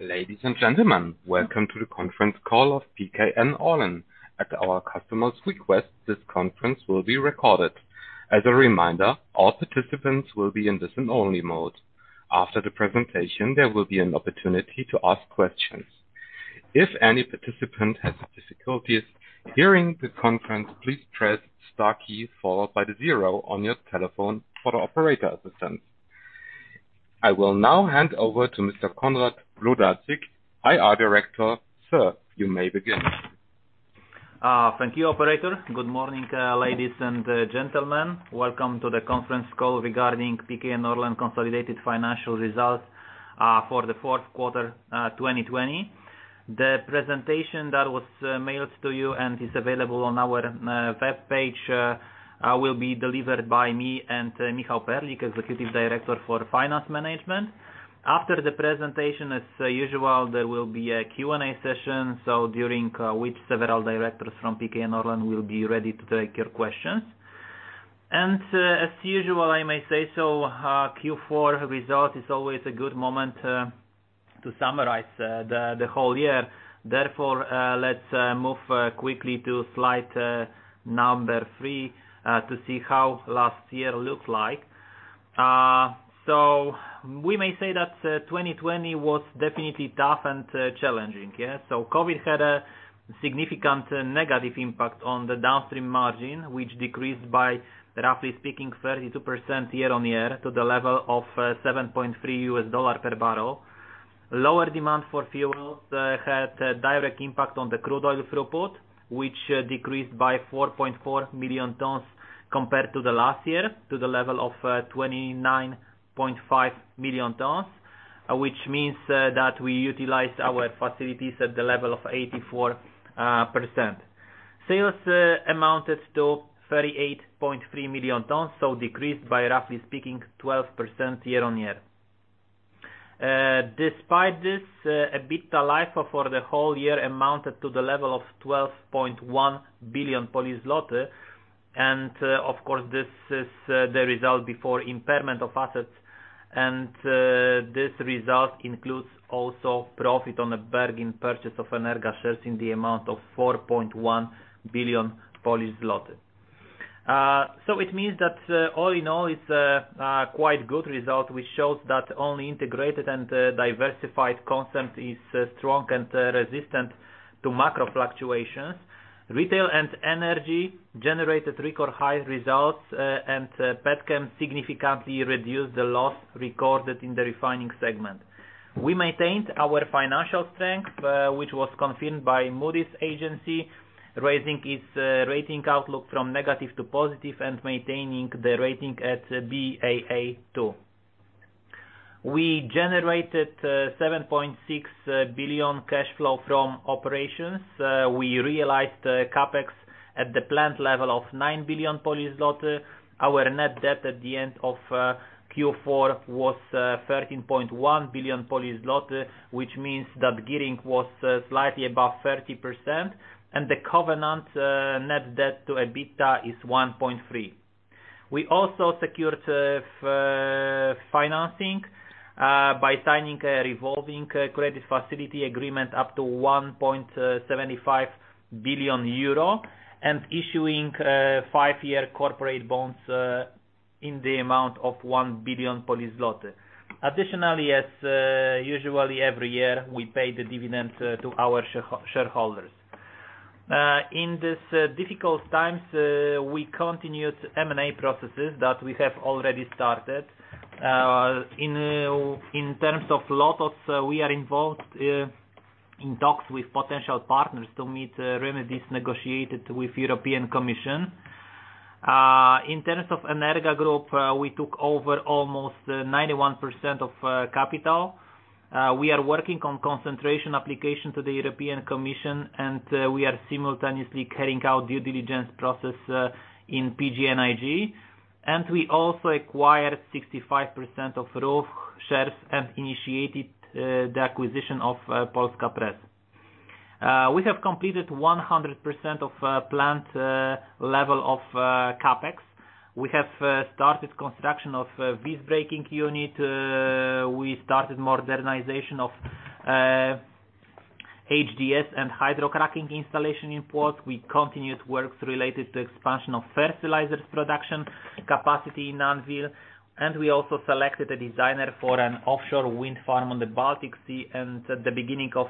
Ladies and gentlemen, welcome to the conference call of PKN Orlen. At our customer's request, this conference will be recorded. As a reminder, all participants will be in listen-only mode. After the presentation, there will be an opportunity to ask questions. I will now hand over to Mr. Konrad Wlodarczyk, IR Director. Sir, you may begin. Thank you, operator. Good morning, ladies and gentlemen. Welcome to the conference call regarding PKN Orlen consolidated financial results for the fourth quarter 2020. The presentation that was mailed to you and is available on our webpage will be delivered by me and Michał Perlik, Executive Director for Finance Management. After the presentation, as usual, there will be a Q&A session, during which several directors from PKN Orlen will be ready to take your questions. As usual, I may say so, our Q4 result is always a good moment to summarize the whole year. Let's move quickly to slide number three to see how last year looked like. We may say that 2020 was definitely tough and challenging. COVID had a significant negative impact on the downstream margin, which decreased by, roughly speaking, 32% year-on-year to the level of $7.3 per barrel. Lower demand for fuels had a direct impact on the crude oil throughput, which decreased by 4.4 million tons compared to the last year to the level of 29.5 million tons, which means that we utilized our facilities at the level of 84%. Sales amounted to 38.3 million tons, decreased by, roughly speaking, 12% year-on-year. Despite this, EBITDA for the whole year amounted to the level of 12.1 billion Polish zloty. Of course, this is the result before impairment of assets, and this result includes also profit on a bargain purchase of Energa shares in the amount of 4.1 billion Polish zloty. It means that all in all, it's a quite good result, which shows that only integrated and diversified concept is strong and resistant to macro fluctuations. Retail and energy generated record-high results, and PetChem significantly reduced the loss recorded in the refining segment. We maintained our financial strength, which was confirmed by Moody's, raising its rating outlook from negative to positive and maintaining the rating at Baa2. We generated 7.6 billion cash flow from operations. We realized CapEx at the planned level of 9 billion. Our net debt at the end of Q4 was 13.1 billion, which means that gearing was slightly above 30%, and the covenant net debt to EBITDA is 1.3. We also secured financing by signing a revolving credit facility agreement up to 1.75 billion euro and issuing five-year corporate bonds in the amount of 1 billion. Additionally, as usually every year, we pay the dividends to our shareholders. In these difficult times, we continued M&A processes that we have already started. In terms of LOTOS, we are involved in talks with potential partners to meet remedies negotiated with European Commission. In terms of Energa Group, we took over almost 91% of capital. We are working on concentration application to the European Commission, and we are simultaneously carrying out due diligence process in PGNiG. We also acquired 65% of Ruch shares and initiated the acquisition of Polska Press. We have completed 100% of planned level of CapEx. We have started construction of visbreaking unit. We started modernization of HDS and hydrocracking installation in Płock. We continued works related to expansion of fertilizers production capacity in ANWIL, and we also selected a designer for an offshore wind farm on the Baltic Sea and at the beginning of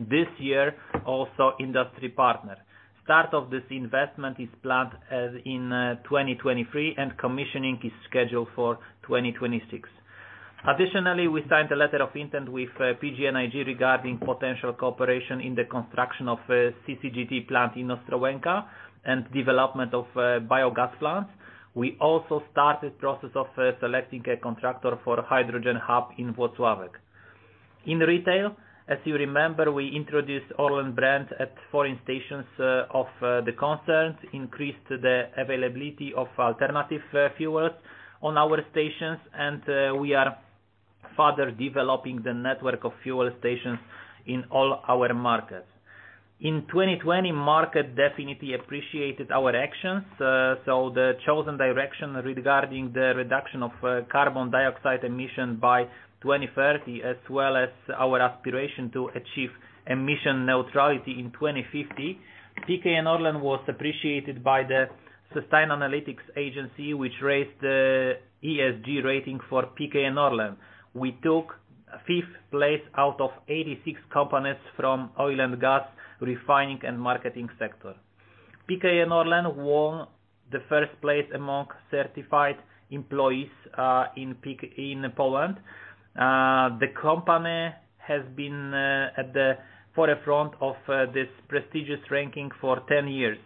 this year, also industry partner. Start of this investment is planned as in 2023, and commissioning is scheduled for 2026. We signed a letter of intent with PGNiG regarding potential cooperation in the construction of a CCGT plant in Ostrołęka and development of biogas plants. We also started process of selecting a contractor for hydrogen hub in Wrocław. In retail, as you remember, we introduced Orlen brands at foreign stations of the concerns, increased the availability of alternative fuels on our stations, and we are further developing the network of fuel stations in all our markets. 2020, market definitely appreciated our actions, so the chosen direction regarding the reduction of carbon dioxide emission by 2030, as well as our aspiration to achieve emission neutrality in 2050. PKN Orlen was appreciated by the Sustainalytics Agency, which raised the ESG rating for PKN Orlen. We took fifth place out of 86 companies from oil and gas refining and marketing sector. PKN Orlen won the first place among certified employees in Poland. The company has been at the forefront of this prestigious ranking for 10 years.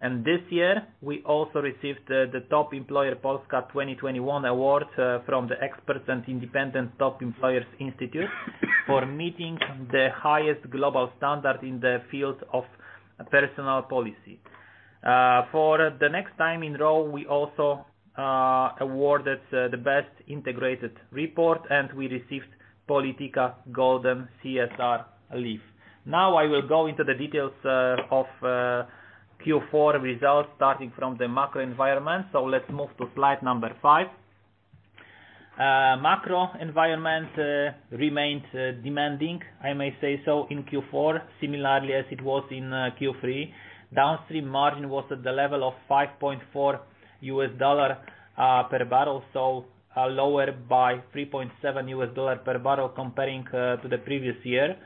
This year, we also received the Top Employers Polska 2021 from the experts and independent Top Employers Institute for meeting the highest global standard in the field of personal policy. For the next time in a row, we also awarded the best integrated report, and we received Polityka Golden CSR Leaf. I will go into the details of Q4 results starting from the macro environment. Let's move to slide number five. Macro environment remained demanding, I may say so, in Q4, similarly as it was in Q3. downstream margin was at the level of $5.4 per barrel, lower by $3.7 per barrel comparing to the previous year.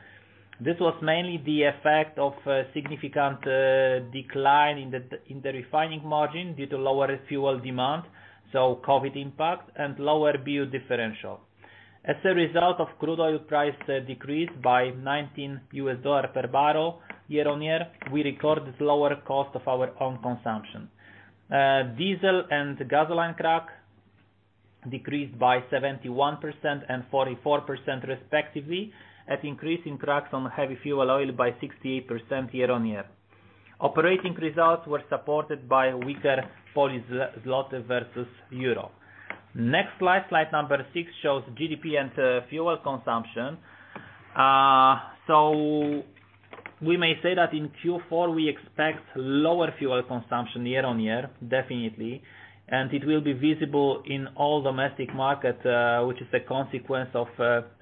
This was mainly the effect of a significant decline in the refining margin due to lower fuel demand, COVID impact, and lower BU differential. As a result of crude oil price decrease by $19 per barrel year-on-year, we recorded lower cost of our own consumption. Diesel and gasoline crack decreased by 71% and 44%, respectively, at increasing cracks on heavy fuel oil by 68% year-on-year. Operating results were supported by weaker PLN versus EUR. Next slide number six, shows GDP and fuel consumption. We may say that in Q4, we expect lower fuel consumption year-on-year, definitely, and it will be visible in all domestic markets, which is a consequence of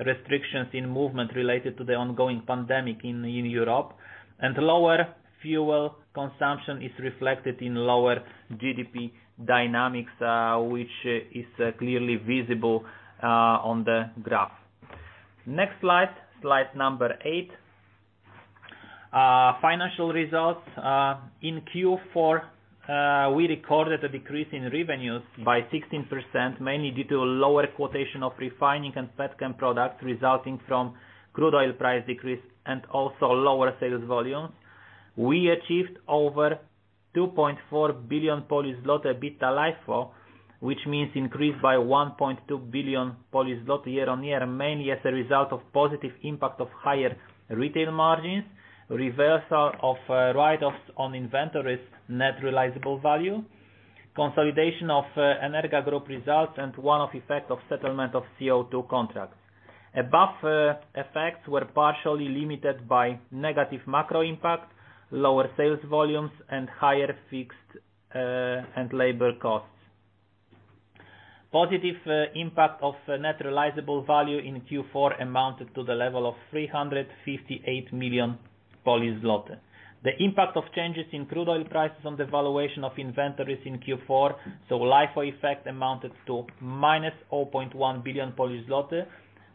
restrictions in movement related to the ongoing pandemic in Europe. Lower fuel consumption is reflected in lower GDP dynamics, which is clearly visible on the graph. Next slide number eight. Financial results. In Q4, we recorded a decrease in revenues by 16%, mainly due to lower quotation of refining and petchem products resulting from crude oil price decrease and also lower sales volumes. We achieved over 2.4 billion EBITDA LIFO, which means increase by 1.2 billion year-on-year, mainly as a result of positive impact of higher retail margins, reversal of write-offs on inventories net realizable value, consolidation of Energa Group results, and one-off effect of settlement of CO2 contract. Above effects were partially limited by negative macro impact, lower sales volumes, and higher fixed and labor costs. Positive impact of net realizable value in Q4 amounted to the level of 358 million. The impact of changes in crude oil prices on the valuation of inventories in Q4, LIFO effect amounted to -0.1 billion Polish zloty,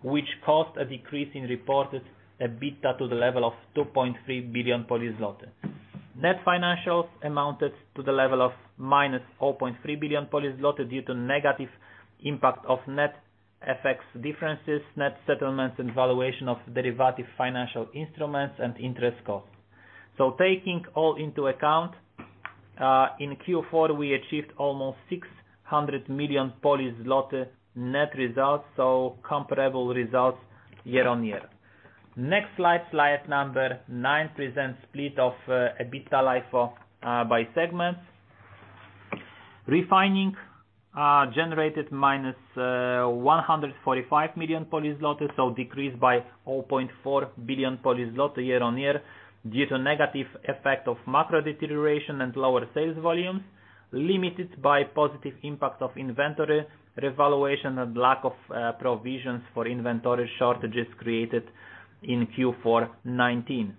which caused a decrease in reported EBITDA to the level of 2.3 billion Polish zloty. Net financials amounted to the level of -0.3 billion Polish zloty due to negative impact of net effects differences, net settlements, and valuation of derivative financial instruments in interest costs. Taking all into account, in Q4, we achieved almost 600 million Polish zloty net results, comparable results year-on-year. Next slide number nine, presents split of EBITDA LIFO by segment. Refining generated -145 million, decreased by 0.4 billion year-on-year due to negative effect of macro deterioration and lower sales volumes, limited by positive impact of inventory revaluation and lack of provisions for inventory shortages created in Q4 2019.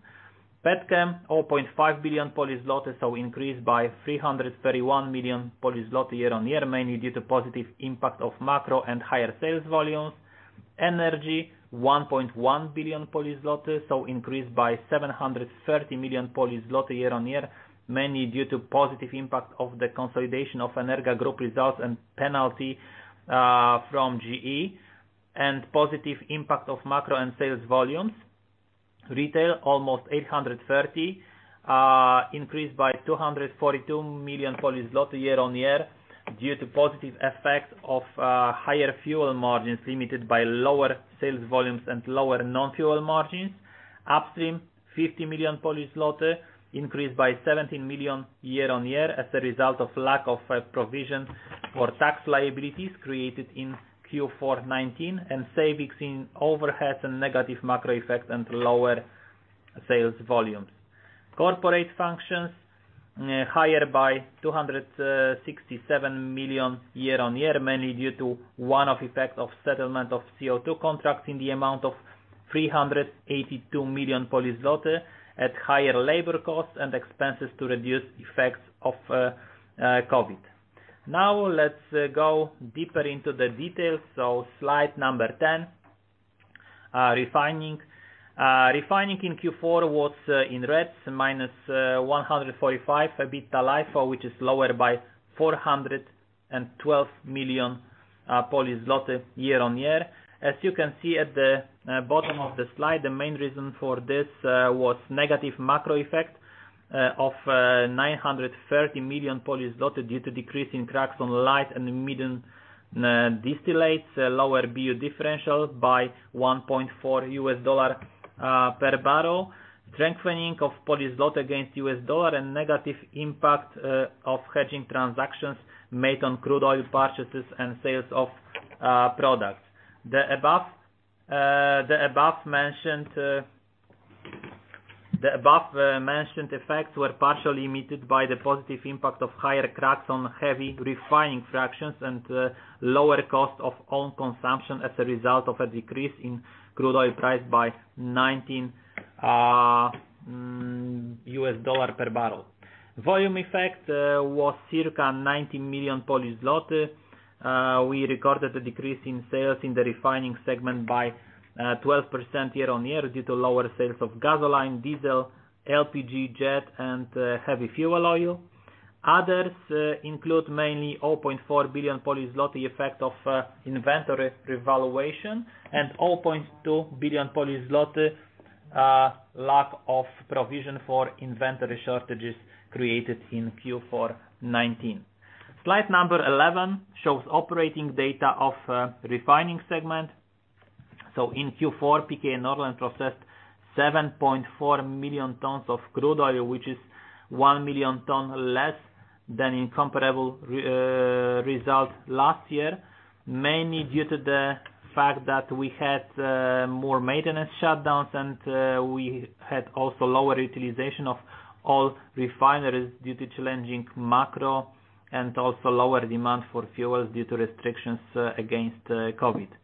Petchem, 0.5 billion Polish zloty, increased by 331 million Polish zloty year-on-year, mainly due to positive impact of macro and higher sales volumes. Energy, 1.1 billion, increased by 730 million year-on-year, mainly due to positive impact of the consolidation of Energa Group results and penalty from GE and positive impact of macro and sales volumes. Retail, almost 830, increased by 242 million year-on-year due to positive effect of higher fuel margins limited by lower sales volumes and lower non-fuel margins. Upstream, 50 million Polish zloty, increased by 17 million year-on-year as a result of lack of provision for tax liabilities created in Q4 2019 and savings in overheads and negative macro effect and lower sales volumes. Corporate functions higher by 267 million year-on-year, mainly due to one-off effect of settlement of CO2 contracts in the amount of 382 million at higher labor costs and expenses to reduce effects of COVID. Let's go deeper into the details. Slide number 10, refining. Refining in Q4 was in reds, - 145 EBITDA LIFO, which is lower by 412 million year-on-year. As you can see at the bottom of the slide, the main reason for this was negative macro effect of 930 million Polish zloty due to decrease in cracks on light and medium distillates, lower BU differential by $1.4 per barrel, strengthening of PLN against USD, and negative impact of hedging transactions made on crude oil purchases and sales of products. The above-mentioned effects were partially limited by the positive impact of higher cracks on heavy refining fractions and lower cost of own consumption as a result of a decrease in crude oil price by $19 per barrel. Volume effect was circa 90 million Polish zloty. We recorded a decrease in sales in the refining segment by 12% year-on-year due to lower sales of gasoline, diesel, LPG, jet, and heavy fuel oil. Others include mainly 0.4 billion effect of inventory revaluation and 0.2 billion lack of provision for inventory shortages created in Q4 2019. Slide number 11 shows operating data of refining segment. In Q4, PKN Orlen processed 7.4 million tons of crude oil, which is 1 million tons less than in comparable result last year, mainly due to the fact that we had more maintenance shutdowns and we had also lower utilization of all refineries due to challenging macro and also lower demand for fuels due to restrictions against COVID. In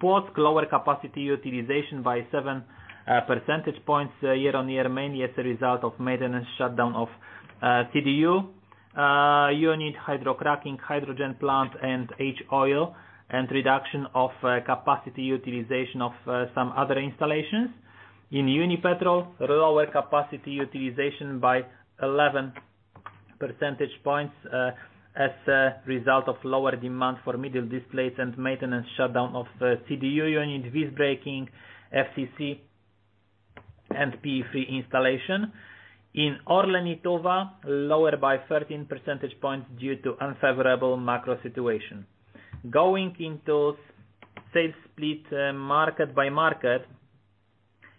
Płock, lower capacity utilization by 7 percentage points year-on-year, mainly as a result of maintenance shutdown of CDU unit, hydrocracking, hydrogen plant and H-Oil, and reduction of capacity utilization of some other installations. In Unipetrol, lower capacity utilization by 11 percentage points, as a result of lower demand for middle distillates and maintenance shutdown of CDU unit, visbreaking, FCC and PE3 installation. In ORLEN Lietuva, lower by 13 percentage points due to unfavorable macro situation. Going into sales split market by market.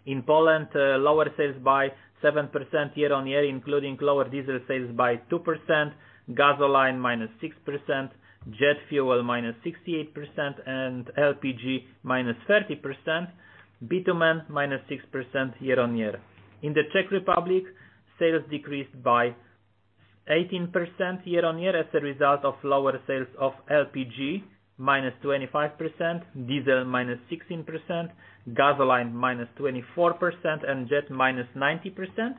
In Poland, lower sales by 7% year-on-year, including lower diesel sales by 2%, gasoline -6%, jet fuel -68%, and LPG -30%, bitumen -6% year-on-year. In the Czech Republic, sales decreased by 18% year-on-year as a result of lower sales of LPG -25%, diesel -16%, gasoline -24%, and jet -90%.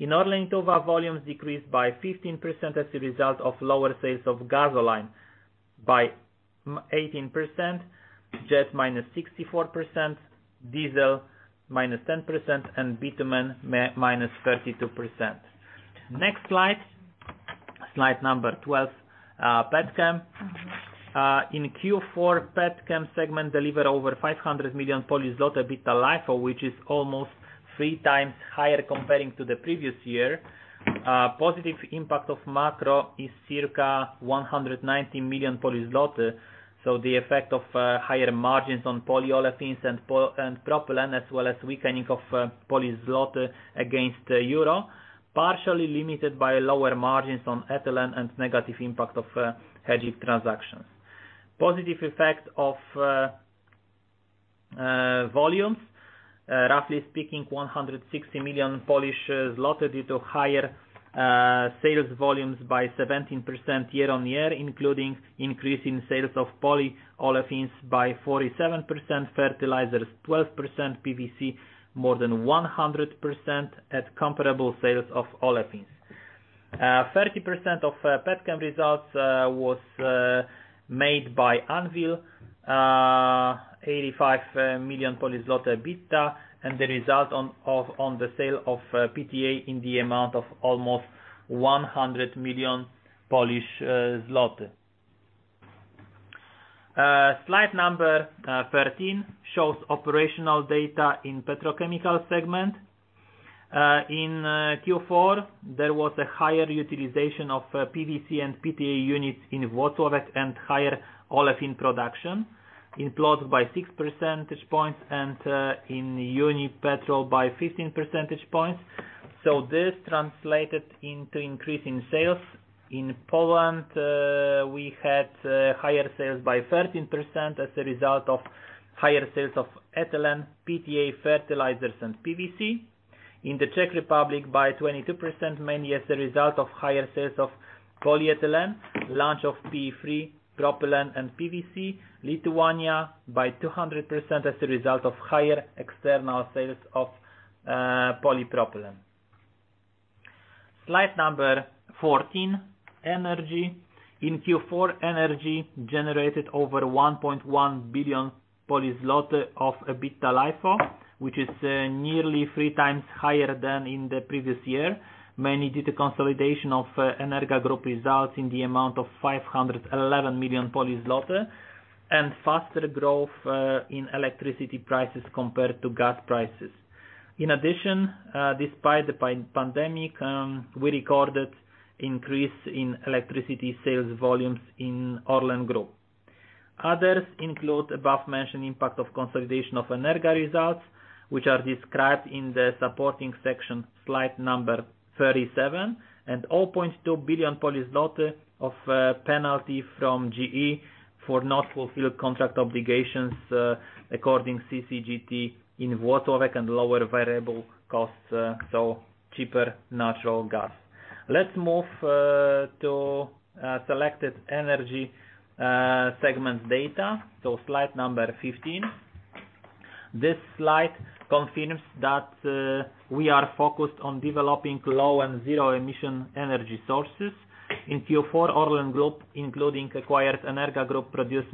In ORLEN Lietuva, volumes decreased by 15% as a result of lower sales of gasoline by 18%, jet -64%, diesel -10%, and bitumen -32%. Next slide number 12, Petchem. In Q4, Petchem segment delivered over 500 million EBITDA LIFO, which is almost three times higher comparing to the previous year. Positive impact of macro is circa 190 million. The effect of higher margins on polyolefins and propylene, as well as weakening of PLN against EUR, partially limited by lower margins on ethylene and negative impact of hedging transactions. Positive effect of volumes, 160 million Polish zloty due to higher sales volumes by 17% year-on-year, including increase in sales of polyolefins by 47%, fertilizers 12%, PVC more than 100%, at comparable sales of olefins. 30% of Petchem results was made by ANWIL, 85 million EBITDA, and the result on the sale of PTA in the amount of almost 100 million Polish zloty. Slide number 13 shows operational data in petrochemical segment. In Q4, there was a higher utilization of PVC and PTA units in Włocławek and higher olefin production. In Płock by six percentage points and in Unipetrol by 15 percentage points. This translated into increase in sales. In Poland, we had higher sales by 13% as a result of higher sales of ethylene, PTA, fertilizers, and PVC. In the Czech Republic by 22%, mainly as a result of higher sales of polyethylene, launch of PE3, propylene, and PVC. Lithuania by 200% as a result of higher external sales of polypropylene. Slide number 14, energy. In Q4, energy generated over 1.1 billion of EBITDA LIFO, which is nearly three times higher than in the previous year, mainly due to consolidation of Energa Group results in the amount of 511 million Polish zloty and faster growth in electricity prices compared to gas prices. In addition, despite the pandemic, we recorded increase in electricity sales volumes in Orlen Group. Others include above-mentioned impact of consolidation of Energa results, which are described in the supporting section, slide number 37, and 0.2 billion Polish zloty of penalty from GE for not fulfilled contract obligations according CCGT in Włocławek and lower variable costs, so cheaper natural gas. Let's move to selected energy segments data, so slide number 15. This slide confirms that we are focused on developing low and zero-emission energy sources. In Q4, Orlen Group, including acquired Energa Group, produced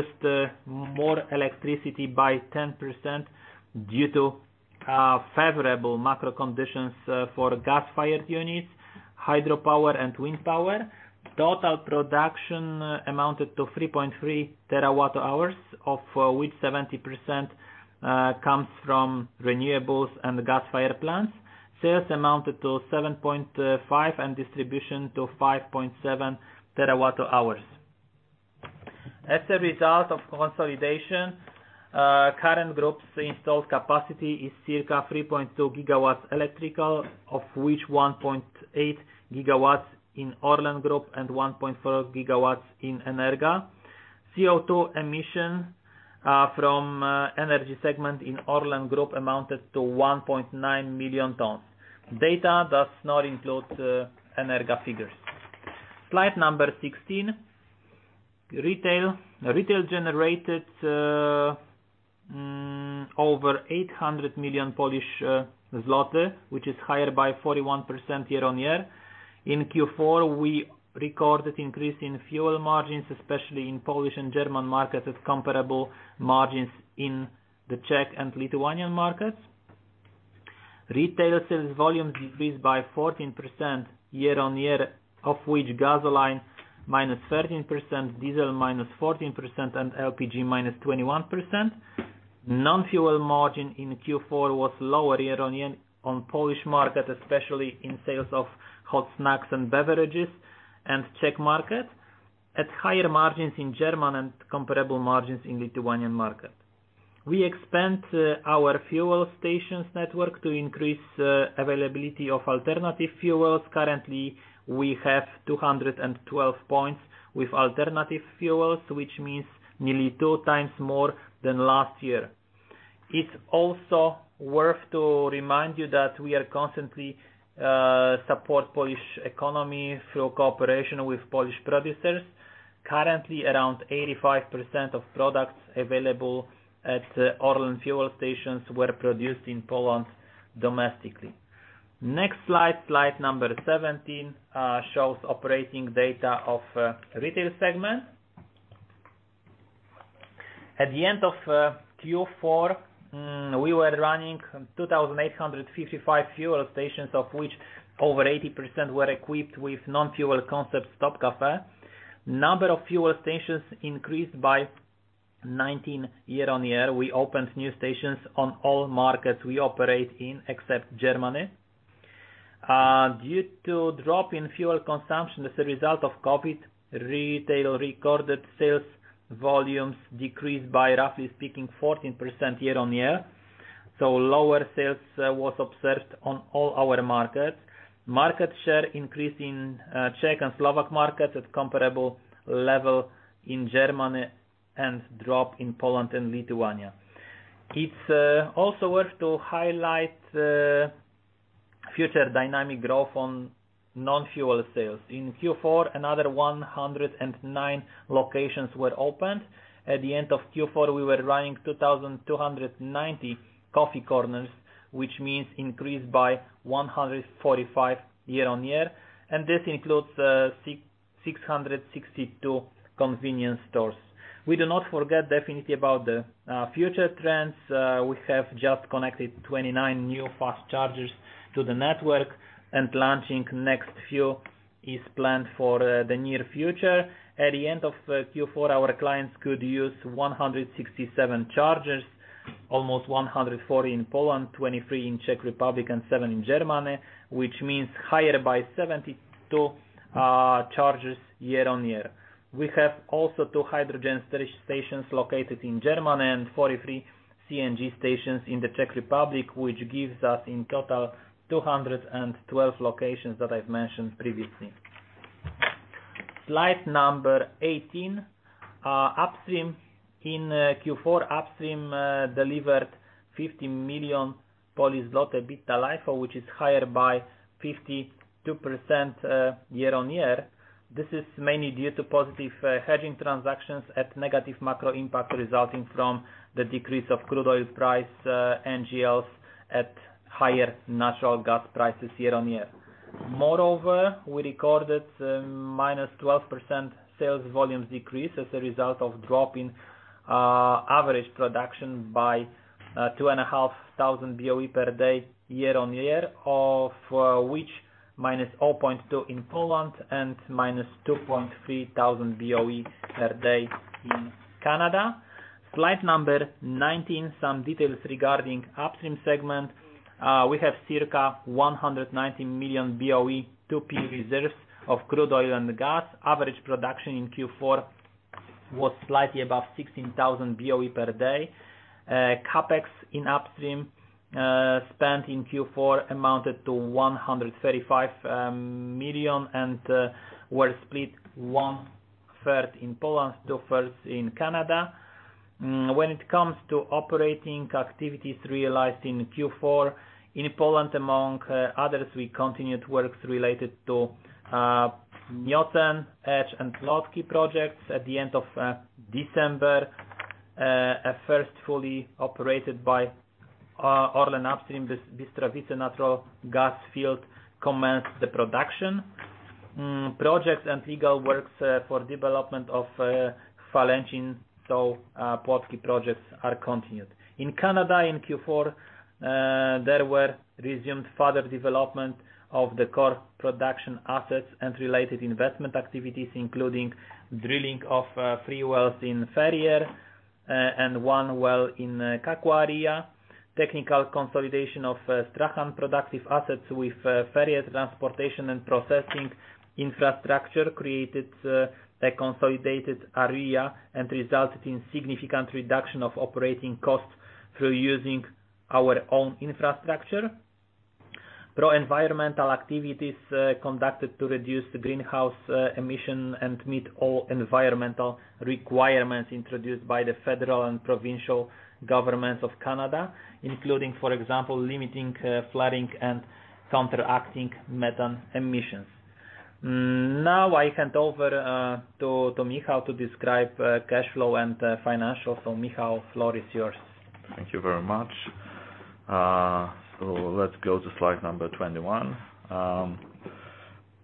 more electricity by 10% due to favorable macro conditions for gas-fired units, hydropower and wind power. Total production amounted to 3.3 TW hours, of which 70% comes from renewables and gas fire plants. Sales amounted to 7.5 and distribution to 5.7 TW hours. As a result of consolidation, current groups' installed capacity is circa 3.2 GWs electrical, of which 1.8 GWs in Orlen Group and 1.4 GWs in Energa. CO2 emission from energy segment in Orlen Group amounted to 1.9 million tons. Data does not include Energa figures. Slide number 16, retail. Retail generated over 800 million Polish zloty, which is higher by 41% year-on-year. In Q4, we recorded increase in fuel margins, especially in Polish and German markets, with comparable margins in the Czech and Lithuanian markets. Retail sales volumes decreased by 14% year-on-year, of which gasoline -13%, diesel -14%, and LPG -21%. Non-fuel margin in Q4 was lower year-on-year on Polish market, especially in sales of hot snacks and beverages and Czech market, at higher margins in German and comparable margins in Lithuanian market. We expand our fuel stations network to increase availability of alternative fuels. Currently, we have 212 points with alternative fuels, which means nearly two times more than last year. It's also worth to remind you that we are constantly support Polish economy through cooperation with Polish producers. Currently, around 85% of products available at Orlen fuel stations were produced in Poland domestically. Next slide number 17, shows operating data of retail segment. At the end of Q4, we were running 2,855 fuel stations, of which over 80% were equipped with non-fuel concept Stop Cafe. Number of fuel stations increased by 19 year-on-year. We opened new stations on all markets we operate in, except Germany. Due to drop in fuel consumption as a result of COVID, retail recorded sales volumes decreased by roughly speaking 14% year-on-year. Lower sales was observed on all our markets. Market share increase in Czech and Slovak markets at comparable level in Germany and drop in Poland and Lithuania. It's also worth to highlight future dynamic growth on non-fuel sales. In Q4, another 109 locations were opened. At the end of Q4, we were running 2,290 coffee corners, which means increase by 145 year-on-year, and this includes 662 convenience stores. We do not forget definitely about the future trends. We have just connected 29 new fast chargers to the network, and launching next few is planned for the near future. At the end of Q4, our clients could use 167 chargers, almost 140 in Poland, 23 in Czech Republic, and seven in Germany, which means higher by 72 chargers year-on-year. We have also two hydrogen storage stations located in Germany and 43 CNG stations in the Czech Republic, which gives us in total 212 locations that I've mentioned previously. Slide number 18. Upstream. In Q4, upstream delivered 50 million EBITDA LIFO, which is higher by 52% year-on-year. This is mainly due to positive hedging transactions and negative macro impact resulting from the decrease of crude oil price, NGLs and higher natural gas prices year-on-year. We recorded -12% sales volume decrease as a result of drop in average production by 2,500 Boe per day year-on-year, of which -0.2 in Poland and -2.3k Boe per day in Canada. Slide number 19, some details regarding upstream segment. We have circa 190 million Boe 2P reserves of crude oil and gas. Average production in Q4 was slightly above 16,000 Boe per day. CapEx in upstream spent in Q4 amounted to 135 million and were split one-third in Poland, two-thirds in Canada. When it comes to operating activities realized in Q4, in Poland, among others, we continued works related to Miocen, Edge and Płock projects. At the end of December, a first fully operated by ORLEN Upstream, Bystrowice natural gas field commenced the production. Projects and legal works for development of Chwalęcin, so Płock projects are continued. In Canada, in Q4, there were resumed further development of the core production assets and related investment activities, including drilling of three wells in Ferrier and one well in Kakwa area. Technical consolidation of Strachan productive assets with Ferrier transportation and processing infrastructure created a consolidated area and resulted in significant reduction of operating costs through using our own infrastructure. Pro-environmental activities conducted to reduce the greenhouse emission and meet all environmental requirements introduced by the federal and provincial governments of Canada, including, for example, limiting flooding and counteracting methane emissions. Now I hand over to Michal to describe cash flow and financial. Michal, floor is yours. Thank you very much. Let's go to slide number 21.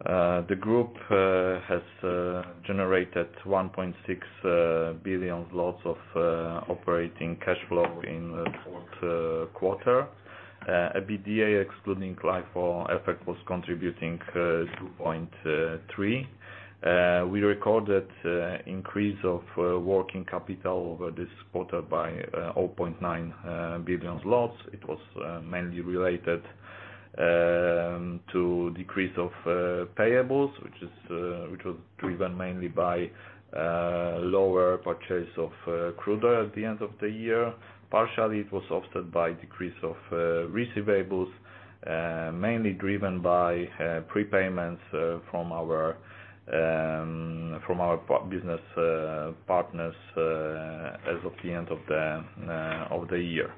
The group has generated 1.6 billion of operating cash flow in the fourth quarter. EBITDA excluding LIFO effect was contributing 2.3. We recorded increase of working capital over this quarter by 0.9 billion. It was mainly related to decrease of payables, which was driven mainly by lower purchase of crude oil at the end of the year. Partially, it was offset by decrease of receivables, mainly driven by prepayments from our business partners as of the end of the year.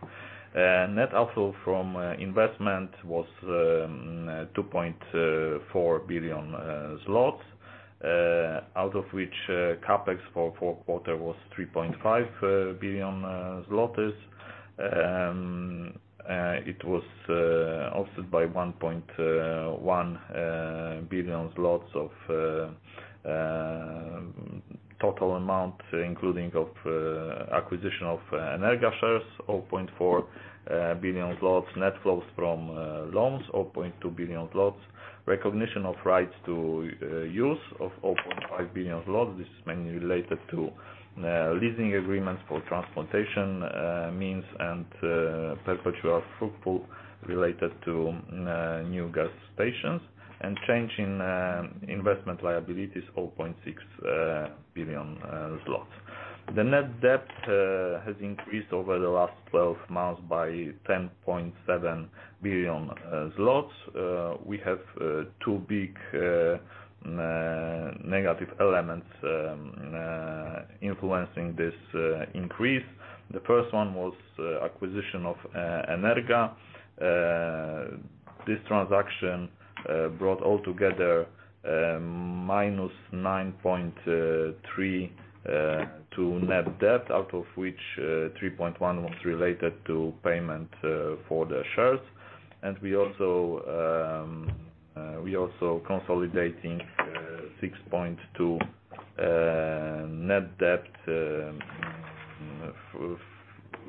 Net outflow from investment was 2.4 billion zlotys, out of which CapEx for fourth quarter was 3.5 billion zlotys. It was offset by 1.1 billion zlotys of total amount, including of acquisition of Energa shares, 0.4 billion, net flows from loans, 0.2 billion, recognition of rights to use of 0.5 billion. This is mainly related to leasing agreements for transportation means and perpetual usufruct related to new gas stations. Change in investment liabilities, 0.6 billion zlotys. The net debt has increased over the last 12 months by 10.7 billion zlotys. We have two big negative elements influencing this increase. The first one was acquisition of Energa. This transaction brought altogether -9.3 to net debt, out of which 3.1 was related to payment for the shares. We also consolidating 6.2 net debt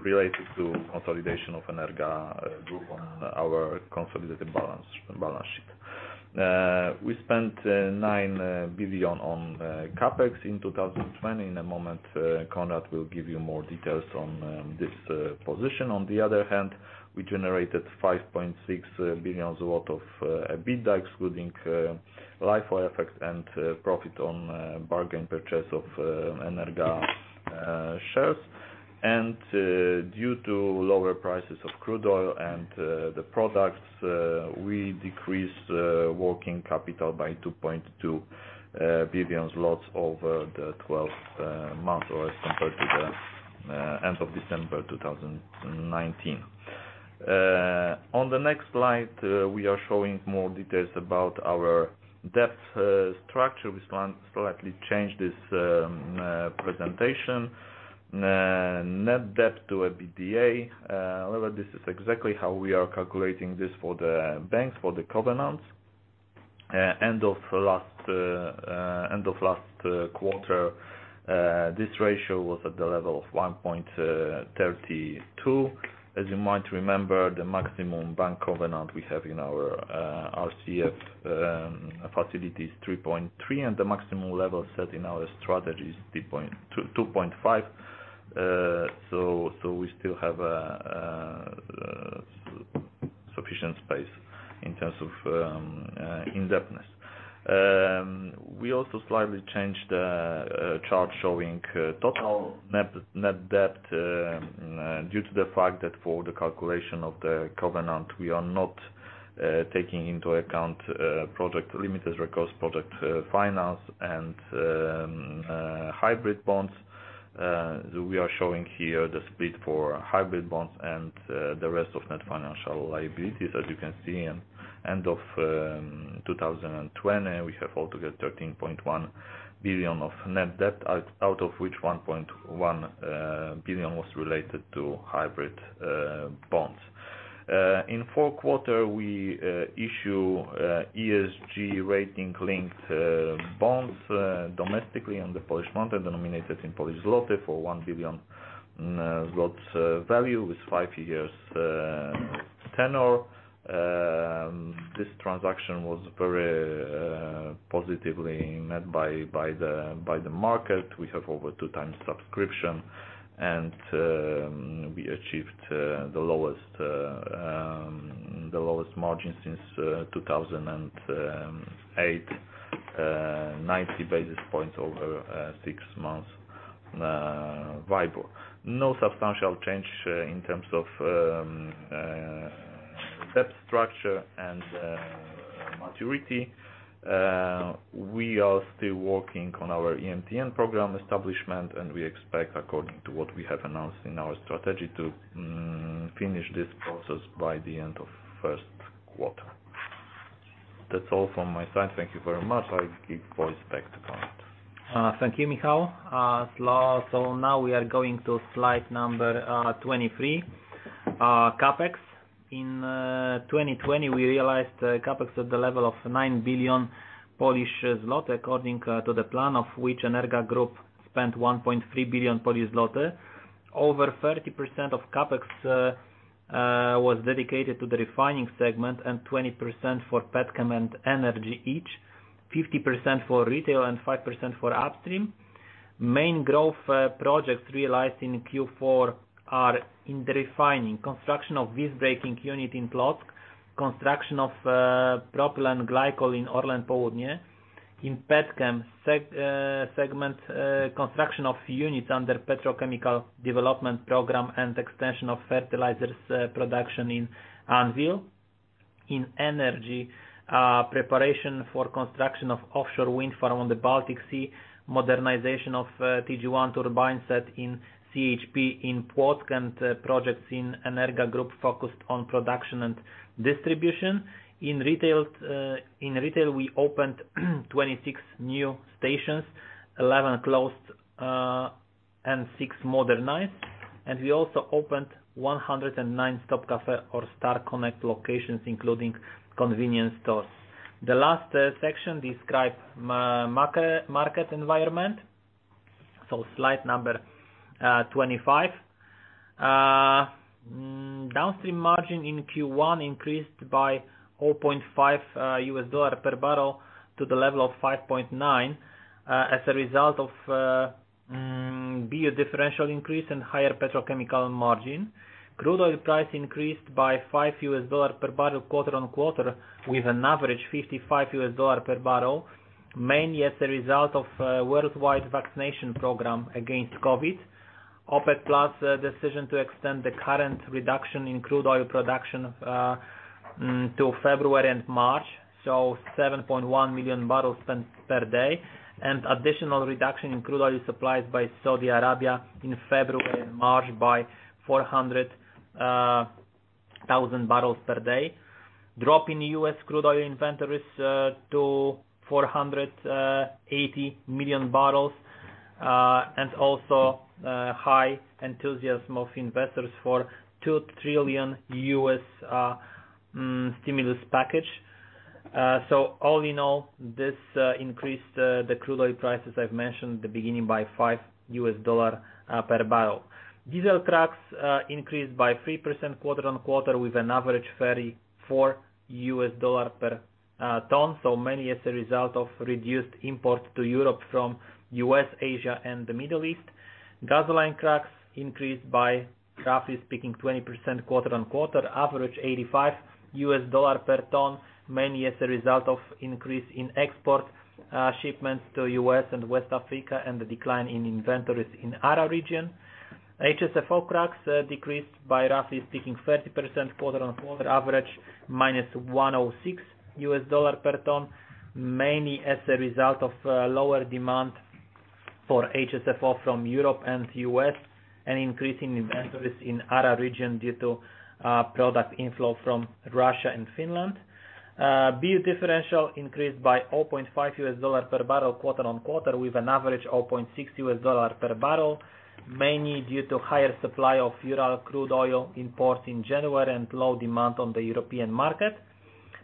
related to consolidation of Energa Group on our consolidated balance sheet. We spent 9 billion on CapEx in 2020. In a moment, Konrad will give you more details on this position. We generated 5.6 billion of EBITDA, excluding LIFO effects and profit on bargain purchase of Energa shares. Due to lower prices of crude oil and the products, we decreased working capital by 2.2 billion zlotys over the 12 months compared to the end of December 2019. On the next slide, we are showing more details about our debt structure. We slightly changed this presentation. Net debt to EBITDA. This is exactly how we are calculating this for the banks, for the covenants. End of last quarter, this ratio was at the level of 1.32. As you might remember, the maximum bank covenant we have in our RCF facility is 3.3, and the maximum level set in our strategy is 2.5. We still have sufficient space in terms of indebtedness. We also slightly changed the chart showing total net debt due to the fact that for the calculation of the covenant, we are not taking into account product limited recourse, product finance, and hybrid bonds. We are showing here the split for hybrid bonds and the rest of net financial liabilities. As you can see, end of 2020, we have altogether 13.1 billion of net debt, out of which 1.1 billion was related to hybrid bonds. In fourth quarter, we issue ESG rating-linked bonds domestically on the Polish market and denominated in PLN for 1 billion zloty value with five-year tenor. This transaction was very positively met by the market. We have over 2x subscription, and we achieved the lowest margin since 2008, 90 basis points over six-month WIBOR. No substantial change in terms of debt structure and maturity. We are still working on our EMTN program establishment, and we expect, according to what we have announced in our strategy, to finish this process by the end of first quarter. That's all from my side. Thank you very much. I'll give voice back to Konrad. Thank you, Michał. Now we are going to slide number 23. CapEx. In 2020, we realized CapEx at the level of 9 billion Polish zloty, according to the plan, of which Energa Group spent 1.3 billion Polish zloty. Over 30% of CapEx was dedicated to the refining segment and 20% for Petchem and Energy each, 50% for retail and 5% for upstream. Main growth projects realized in Q4 are in the refining, construction of visbreaking unit in Płock, construction of propylene glycol in ORLEN Południe. In Petchem segment, construction of units under petrochemical development program and extension of fertilizers production in ANWIL. In energy, preparation for construction of offshore wind farm on the Baltic Sea, modernization of TG1 turbine set in CHP in Płock, and projects in Energa Group focused on production and distribution. In retail, we opened 26 new stations, 11 closed, and six modernized. We also opened 109 Stop Cafe or Star Connect locations, including convenience stores. The last section describe market environment. Slide number 25. Downstream margin in Q1 increased by $4.5 per barrel to the level of $5.9 as a result of B differential increase and higher petrochemical margin. Crude oil price increased by $5 per barrel quarter-on-quarter, with an average $55 per barrel, mainly as a result of worldwide vaccination program against COVID. OPEC's last decision to extend the current reduction in crude oil production to February and March, so 7.1 million barrels per day, and additional reduction in crude oil supplies by Saudi Arabia in February and March by 400,000 barrels per day. Drop in U.S. crude oil inventories to 480 million barrels and also high enthusiasm of investors for 2 trillion U.S. stimulus package. All in all, this increased the crude oil prices I've mentioned the beginning by $5 per barrel. Diesel cracks increased by 3% quarter on quarter with an average $34 per ton, mainly as a result of reduced imports to Europe from U.S., Asia, and the Middle East. Gasoline cracks increased by roughly speaking 20% quarter on quarter average $85 per ton, mainly as a result of increase in export shipments to U.S. and West Africa and the decline in inventories in ARA region. HSFO cracks decreased by roughly speaking 30% quarter on quarter average, -$106 per ton, mainly as a result of lower demand for HSFO from Europe and the U.S., and increasing inventories in ARA region due to product inflow from Russia and Finland. B differential increased by $0.5 per barrel quarter-on-quarter, with an average $0.6 per barrel, mainly due to higher supply of Urals crude oil imports in January and low demand on the European market.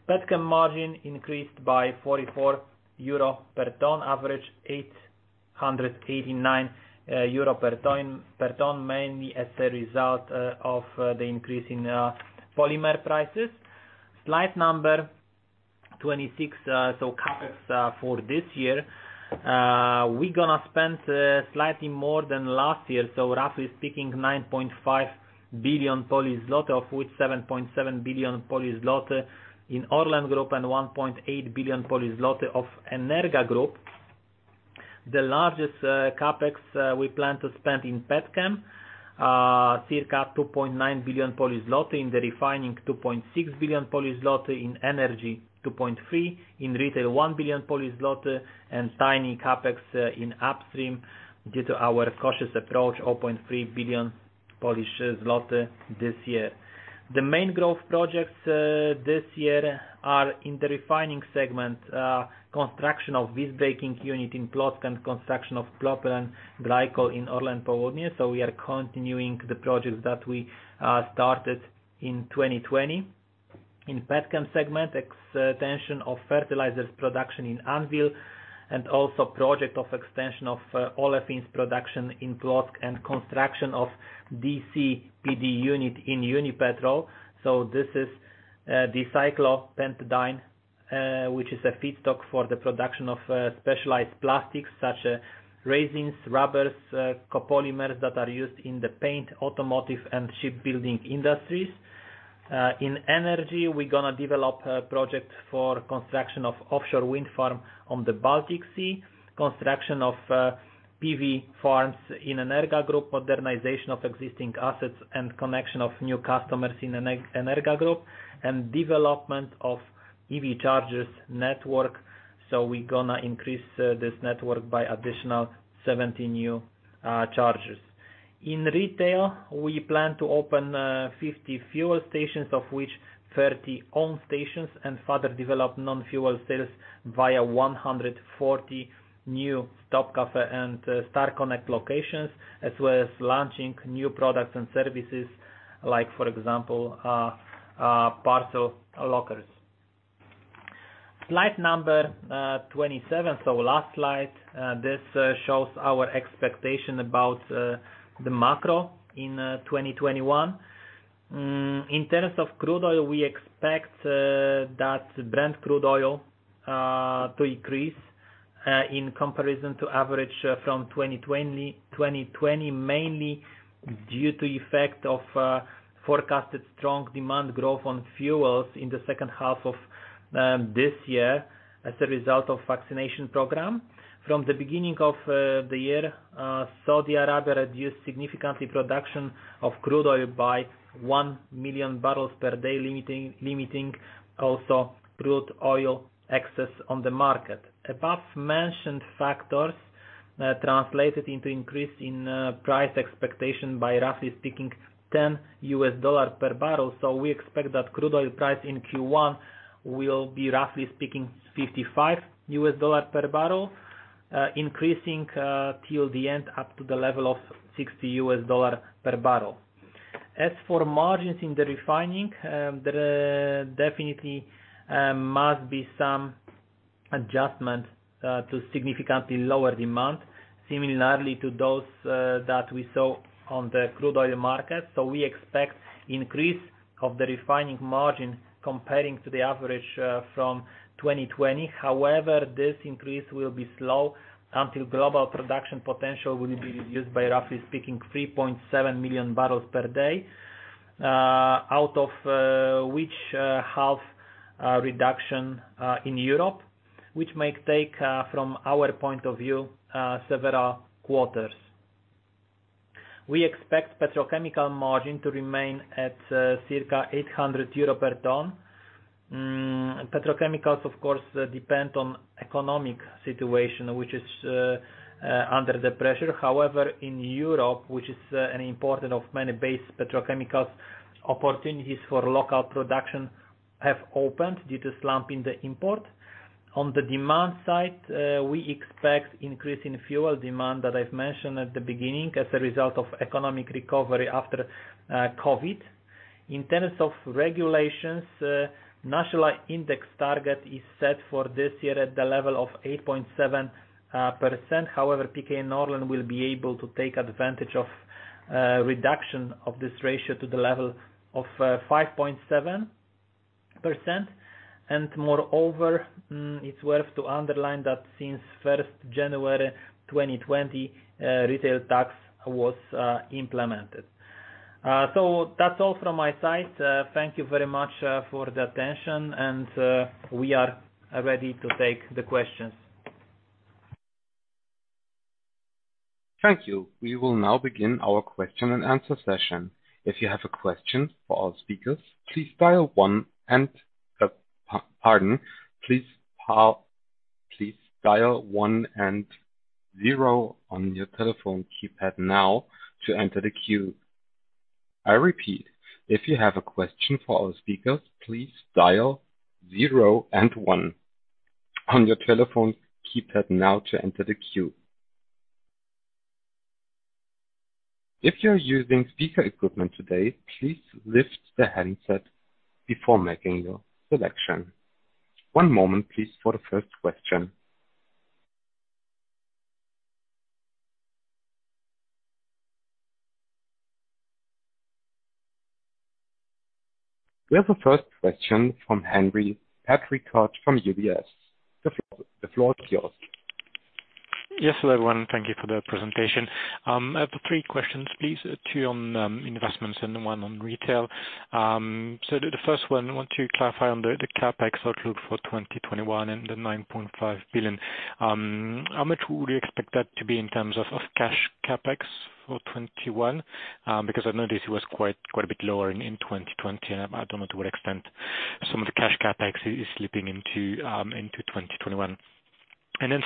Petchem margin increased by 44 euro per ton, average 889 euro per ton, mainly as a result of the increase in polymer prices. Slide number 26, CapEx for this year. We're gonna spend slightly more than last year, roughly speaking, 9.5 billion zloty, of which 7.7 billion zloty in Orlen Group and 1.8 billion zloty of Energa Group. The largest CapEx we plan to spend in Petchem, circa 2.9 billion Polish zloty. In the refining, 2.6 billion Polish zloty. In energy, 2.3 billion. In retail, 1 billion Polish zloty. Tiny CapEx in upstream due to our cautious approach, 0.3 billion Polish zloty this year. The main growth projects this year are in the refining segment. Construction of visbreaking unit in Płock and construction of propylene glycol in ORLEN Płock. We are continuing the projects that we started in 2020. In Petchem segment, extension of fertilizers production in ANWIL, and also project of extension of olefins production in Płock and construction of DCPD unit in Unipetrol. This is the dicyclopentadiene which is a feedstock for the production of specialized plastics such as resins, rubbers, copolymers that are used in the paint, automotive, and shipbuilding industries. In energy, we're gonna develop a project for construction of offshore wind farm on the Baltic Sea, construction of PV farms in Energa Group, modernization of existing assets, and connection of new customers in Energa Group, and development of EV chargers network. We're gonna increase this network by additional 70 new chargers. In retail, we plan to open 50 fuel stations, of which 30 own stations, and further develop non-fuel sales via 140 new Stop Cafe and Star Connect locations, as well as launching new products and services like, for example, parcel lockers. Slide number 27. Last slide. This shows our expectation about the macro in 2021. In terms of crude oil, we expect that Brent crude oil to increase in comparison to average from 2020, mainly due to effect of forecasted strong demand growth on fuels in the second half of this year as a result of vaccination program. From the beginning of the year, Saudi Arabia reduced significantly production of crude oil by 1 million barrels per day, limiting also crude oil excess on the market. Above-mentioned factors translated into increase in price expectation by roughly speaking $10 per barrel. We expect that crude oil price in Q1 will be roughly speaking $55 per barrel, increasing till the end up to the level of $60 per barrel. As for margins in the refining, there definitely must be some adjustment to significantly lower demand, similarly to those that we saw on the crude oil market. We expect increase of the refining margin comparing to the average from 2020. This increase will be slow until global production potential will be reduced by roughly speaking 3.7 million barrels per day out of which half reduction in Europe, which may take, from our point of view, several quarters. We expect petrochemical margin to remain at circa 800 euro per ton. Petrochemicals, of course, depend on economic situation, which is under the pressure. However, in Europe, which is an an importer of many base petrochemicals, opportunities for local production have opened due to slump in the import. On the demand side, we expect increase in fuel demand that I've mentioned at the beginning as a result of economic recovery after COVID. In terms of regulations, national index target is set for this year at the level of 8.7%. However, PKN Orlen will be able to take advantage of a reduction of this ratio to the level of 5.7%. Moreover, it's worth to underline that since 1st January 2020, retail tax was implemented. That's all from my side. Thank you very much for the attention and we are ready to take the questions. Thank you. We will now begin our question and answer session.if you have a question to our speaker please dial one and zero your telephone One moment please for the first question. We have the first question from Henri Patricot from UBS. The floor is yours. Yes. Hello everyone. Thank you for the presentation. I have three questions, please. Two on investments and one on retail. The first one, I want to clarify on the CapEx outlook for 2021 and the 9.5 billion. How much would we expect that to be in terms of cash CapEx for 2021? Because I know this was quite a bit lower in 2020, and I don't know to what extent some of the cash CapEx is slipping into 2021.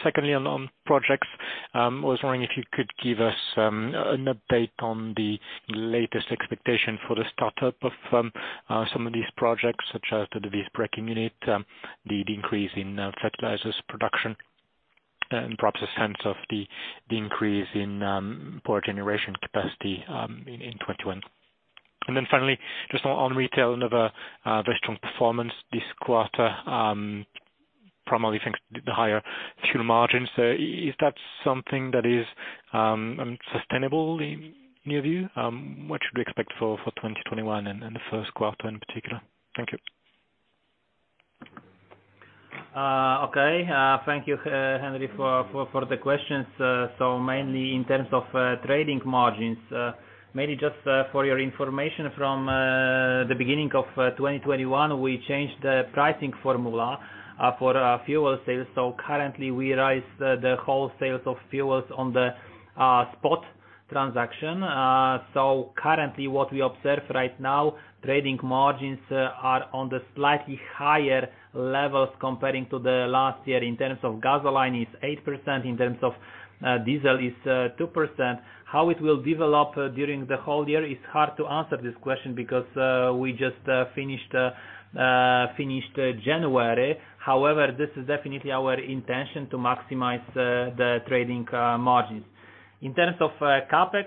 Secondly, on projects. I was wondering if you could give us an update on the latest expectation for the startup of some of these projects such as the visbreaking unit, the increase in fertilizers production, and perhaps a sense of the increase in power generation capacity in 2021. Finally, just on retail, another very strong performance this quarter, primarily thanks to the higher fuel margins. Is that something that is sustainable in your view? What should we expect for 2021 and the first quarter in particular? Thank you. Thank you, Henri, for the questions. Mainly in terms of trading margins. Maybe just for your information, from the beginning of 2021, we changed the pricing formula for our fuel sales. Currently, we base the wholesale of fuels on the spot transaction. Currently, what we observe right now, trading margins are on the slightly higher levels comparing to the last year. In terms of gasoline, it's 8%. In terms of diesel, it's 2%. How it will develop during the whole year, it's hard to answer this question because we just finished January. However, this is definitely our intention to maximize the trading margins. In terms of CapEx,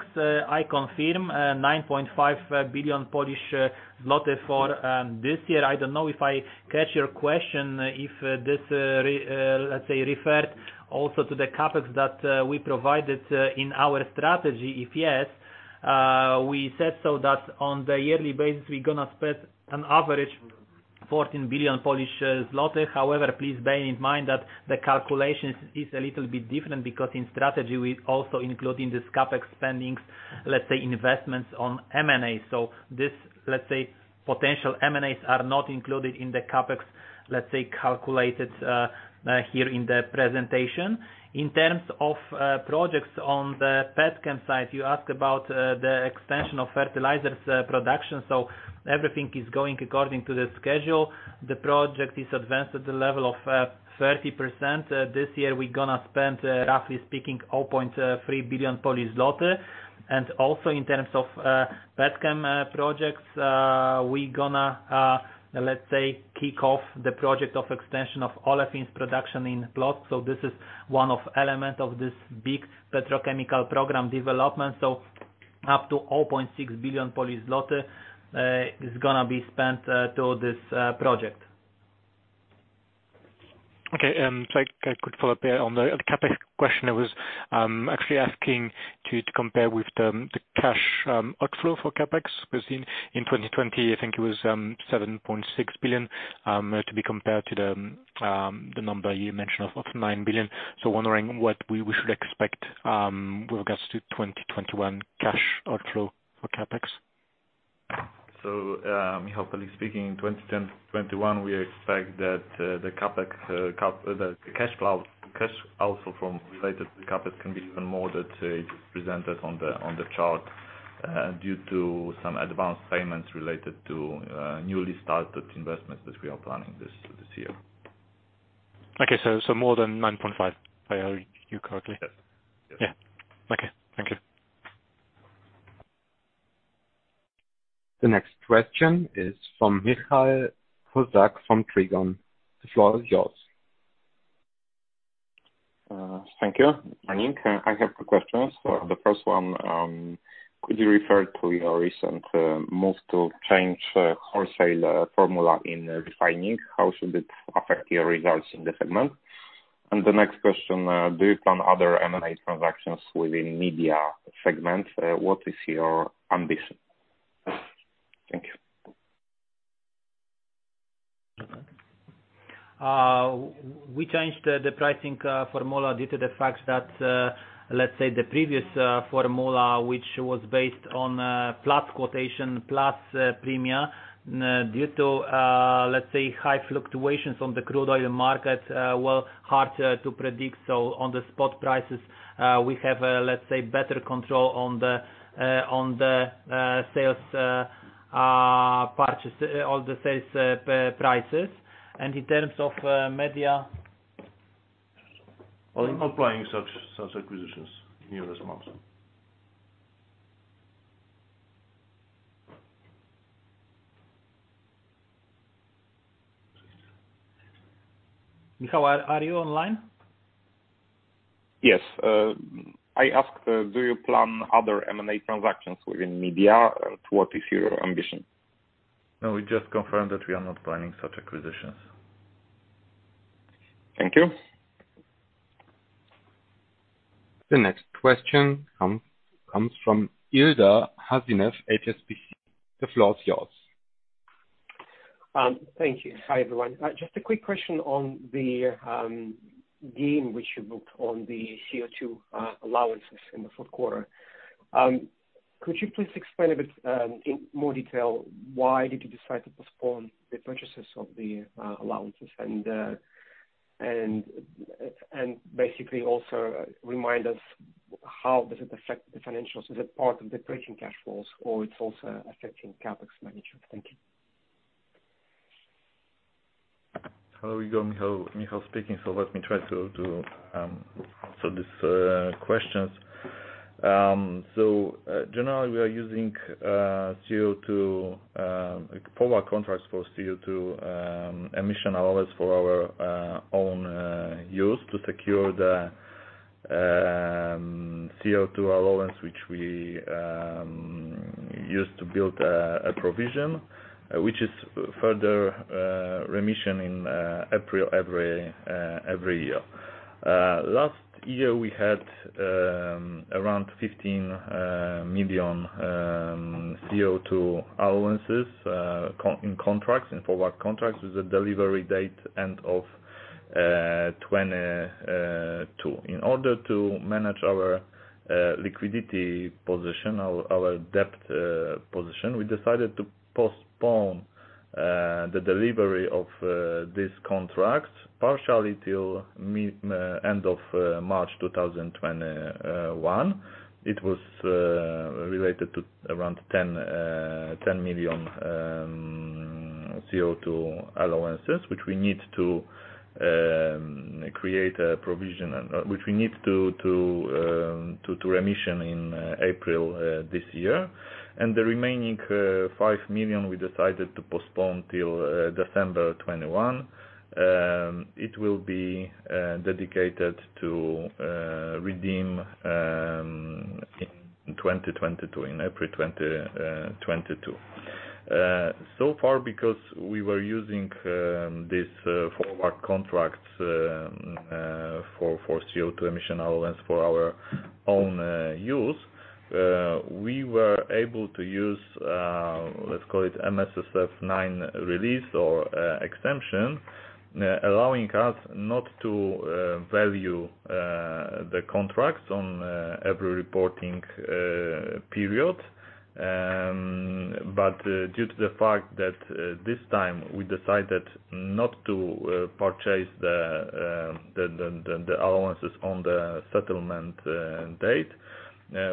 I confirm 9.5 billion Polish zloty for this year. I don't know if I catch your question, if this let's say referred also to the CapEx that we provided in our strategy. If yes, we said that on the yearly basis we're gonna spread an average 14 billion Polish zloty. However, please bear in mind that the calculations is a little bit different because in strategy we also including this CapEx spendings, let's say investments on M&A. This, let's say, potential M&As are not included in the CapEx, let's say calculated here in the presentation. In terms of projects on the petchem side, you asked about the extension of fertilizers production. Everything is going according to the schedule. The project is advanced at the level of 30%. This year we're gonna spend, roughly speaking, 0.3 billion Polish zloty. Also in terms of petchem projects, we gonna, let's say, kick off the project of extension of olefins production in Płock. This is one of element of this big petrochemical program development. Up to 0.6 billion Polish zloty is gonna be spent to this project. Okay. A quick follow-up here on the CapEx question. I was actually asking to compare with the cash outflow for CapEx, because in 2020, I think it was 7.6 billion to be compared to the number you mentioned of 9 billion. I am wondering what we should expect with regards to 2021 cash outflow for CapEx. Michal, probably speaking in 2010 to 2021, we expect that the cash outflow from related CapEx can be even more than today it is presented on the chart due to some advanced payments related to newly started investments that we are planning this year. Okay. more than 9.5, if I hear you correctly? Yes. Yeah. Okay. Thank you. The next question is from Michał Kozak from Trigon. The floor is yours. Thank you. Morning. I have two questions. The first one, could you refer to your recent move to change wholesale formula in refining? How should it affect your results in the segment? The next question, do you plan other M&A transactions within media segment? What is your ambition? Thank you. We changed the pricing formula due to the fact that, let's say the previous formula, which was based on plus quotation, plus premia, due to high fluctuations on the crude oil market, well, hard to predict. On the spot prices, we have better control on the sales prices. In terms of media-. We're not planning such acquisitions in the nearest months. Michal, are you online? Yes. I asked, do you plan other M&A transactions within media? What is your ambition? No, we just confirmed that we are not planning such acquisitions. Thank you. The next question comes from Ilda Khaziev, HSBC. The floor is yours. Thank you. Hi, everyone. Just a quick question on the gain which you booked on the CO2 allowances in the fourth quarter. Could you please explain a bit in more detail why did you decide to postpone the purchases of the allowances, and basically also remind us how does it affect the financials? Is it part of the trading cash flows or it's also affecting CapEx management? Thank you. Hello, Ilda. Michal speaking. Let me try to answer these questions. Generally, we are using forward contracts for CO2 emission allowance for our own use to secure the CO2 allowance, which we used to build a provision, which is further remission in April every year. Last year, we had around 15 million CO2 allowances in forward contracts with the delivery date end of 2022. In order to manage our liquidity position, our debt position, we decided to postpone the delivery of this contract partially till end of March 2021. It was related to around 10 million CO2 allowances, which we need to remission in April this year. The remaining 5 million we decided to postpone till December 2021. It will be dedicated to redeem in April 2022. Far, because we were using these forward contracts for CO2 emission allowance for our own use, we were able to use let's call it IFRS 9 release or exemption, allowing us not to value the contracts on every reporting period. Due to the fact that this time we decided not to purchase the allowances on the settlement date,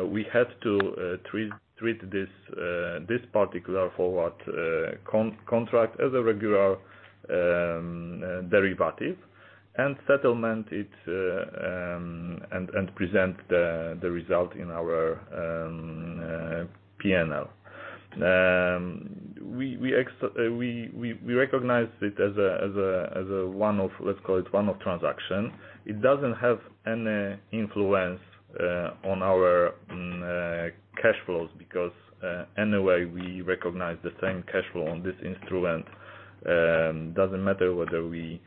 we had to treat this particular forward contract as a regular derivative and settlement it and present the result in our P&L. We recognized it as a one-off, let's call it one-off transaction. It doesn't have any influence on our cash flows because anyway, we recognize the same cash flow on this instrument. Doesn't matter whether we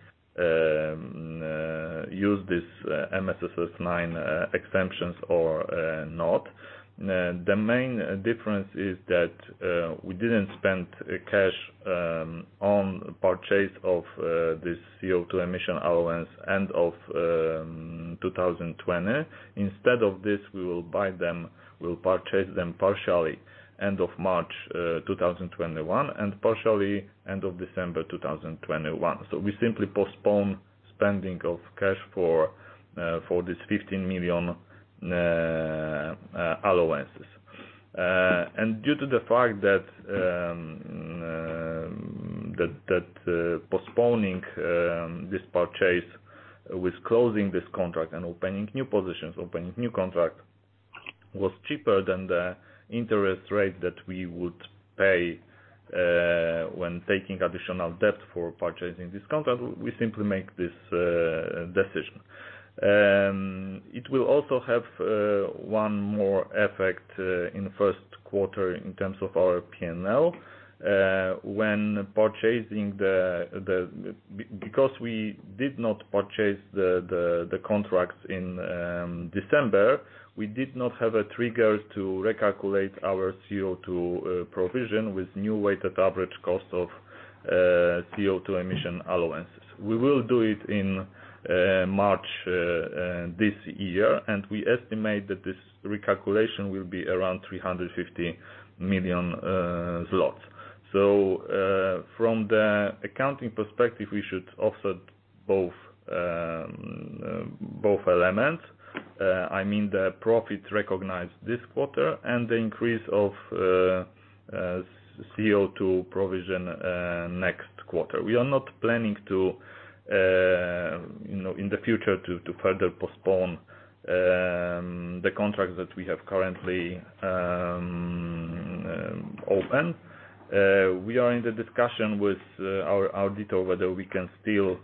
use this IFRS 9 exemptions or not. The main difference is that we didn't spend cash on purchase of this CO2 emission allowance end of 2020. Instead of this, we will purchase them partially end of March 2021 and partially end of December 2021. We simply postpone spending of cash for this 15 million allowances. Due to the fact that postponing this purchase with closing this contract and opening new positions, opening new contract, was cheaper than the interest rate that we would pay when taking additional debt for purchasing this contract, we simply make this decision. It will also have one more effect in the first quarter in terms of our P&L. Because we did not purchase the contracts in December, we did not have a trigger to recalculate our CO2 provision with new weighted average cost of CO2 emission allowances. We will do it in March this year, and we estimate that this recalculation will be around 350 million zlotys. From the accounting perspective, we should offset both elements. I mean, the profit recognized this quarter and the increase of CO2 provision next quarter. We are not planning to, in the future, to further postpone the contract that we have currently open. We are in the discussion with our auditor whether we can still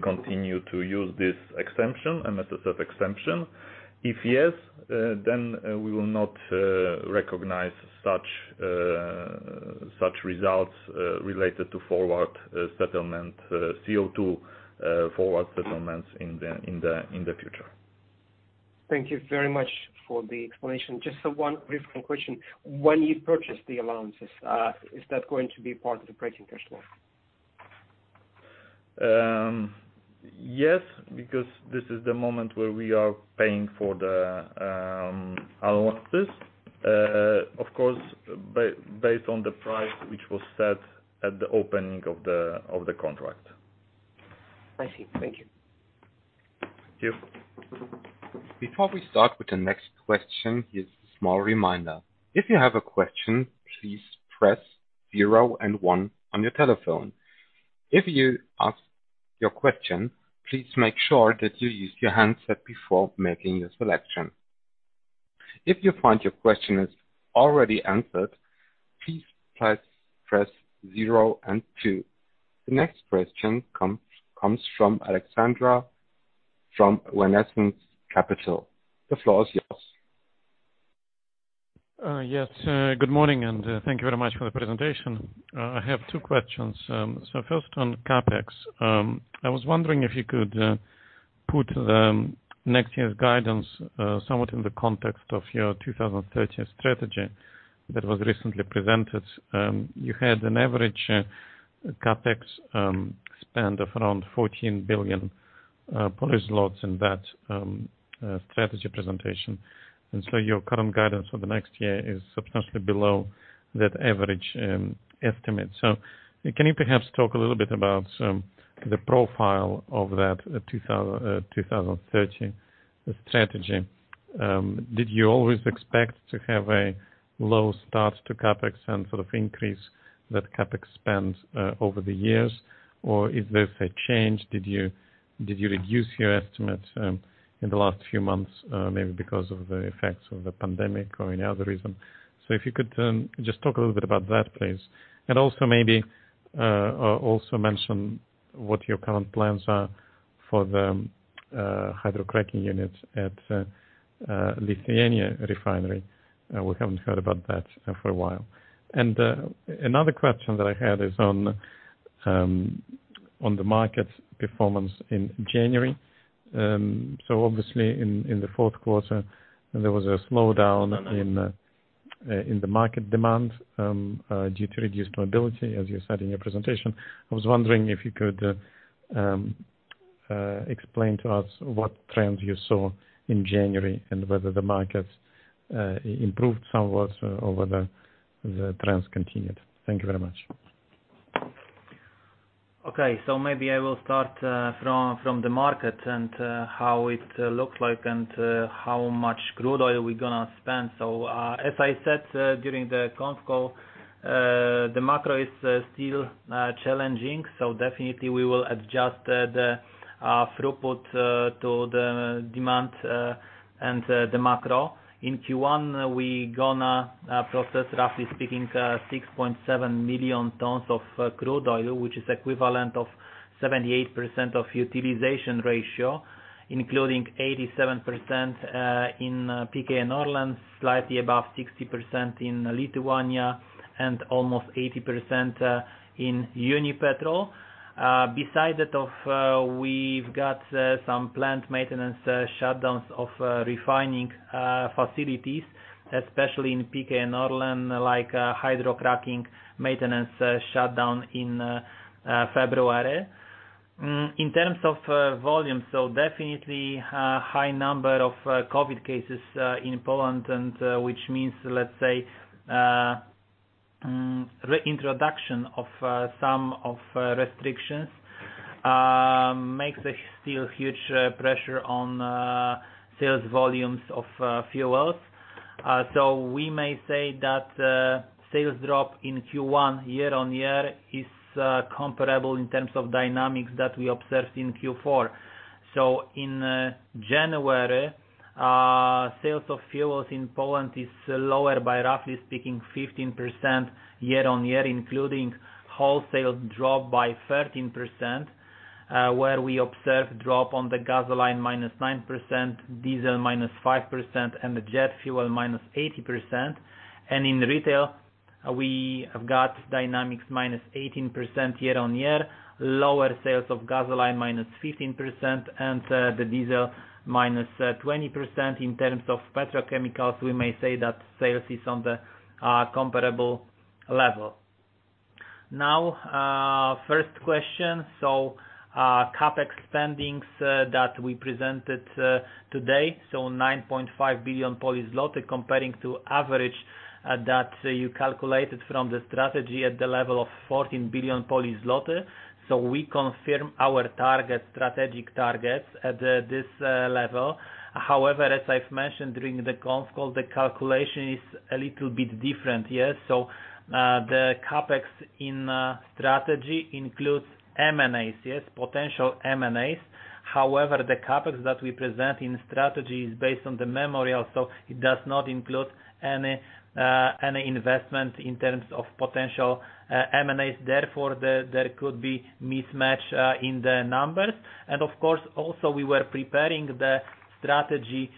continue to use this exemption, a method of exemption. If yes, then we will not recognize such results related to forward settlement, CO2 forward settlements in the future. Thank you very much for the explanation. Just one brief question. When you purchase the allowances, is that going to be part of the operating cash flow? Yes, because this is the moment where we are paying for the allowances, of course, based on the price which was set at the opening of the contract. I see. Thank you. Thank you. Before we start with the next question, here's a small reminder. If you a question please press zero and one on your telephone. if you ask a question please make sure you state your name and company. If you find your question answered please press zero and two The next question comes from Alexandra from VanEck Capital. The floor is yours. Yes. Good morning, thank you very much for the presentation. I have two questions. First on CapEx. I was wondering if you could put next year's guidance somewhat in the context of your 2030 strategy that was recently presented. You had an average CapEx spend of around 14 billion in that strategy presentation. Your current guidance for the next year is substantially below that average estimate. Can you perhaps talk a little bit about the profile of that 2030 strategy? Did you always expect to have a low start to CapEx and sort of increase that CapEx spend over the years? Is this a change? Did you reduce your estimate in the last few months maybe because of the effects of the pandemic or any other reason? If you could just talk a little bit about that, please. Also maybe mention what your current plans are for the hydrocracking units at Lithuania Refinery. We haven't heard about that for a while. Another question that I had is on the market performance in January. Obviously in the fourth quarter, there was a slowdown in the market demand due to reduced mobility, as you said in your presentation. I was wondering if you could explain to us what trends you saw in January and whether the markets improved somewhat or whether the trends continued. Thank you very much. Okay. Maybe I will start from the market and how it looks like and how much crude oil we're gonna spend. As I said during the conf call, the macro is still challenging. Definitely we will adjust the throughput to the demand and the macro. In Q1, we're gonna process, roughly speaking, 6.7 million tons of crude oil, which is equivalent of 78% of utilization ratio, including 87% in PKN Orlen, slightly above 60% in Lithuania and almost 80% in Unipetrol. Besides that, we've got some plant maintenance shutdowns of refining facilities, especially in PKN Orlen, like hydrocracking maintenance shutdown in February. In terms of volume, definitely a high number of COVID cases in Poland, and which means, let's say, reintroduction of some of restrictions makes a still huge pressure on sales volumes of fuels. We may say that sales drop in Q1 year-on-year is comparable in terms of dynamics that we observed in Q4. In January, sales of fuels in Poland is lower by roughly speaking, 15% year-on-year, including wholesale drop by 13%, where we observe drop on the gasoline - 9%, diesel - 5%, and the jet fuel - 80%. In retail, we have got dynamics - 18% year-on-year, lower sales of gasoline -15%, and the diesel -20%. In terms of petrochemicals, we may say that sales is on the comparable level. Now, first question. CapEx spendings that we presented today, 9.5 billion Polish zloty comparing to average that you calculated from the strategy at the level of 14 billion zloty. We confirm our strategic targets at this level. However, as I've mentioned during the cons call, the calculation is a little bit different, yes? The CapEx in strategy includes M&As, yes? Potential M&As. However, the CapEx that we present in strategy is based on the memory also, it does not include any investment in terms of potential M&As. Therefore, there could be mismatch in the numbers. Of course, also we were preparing the strategy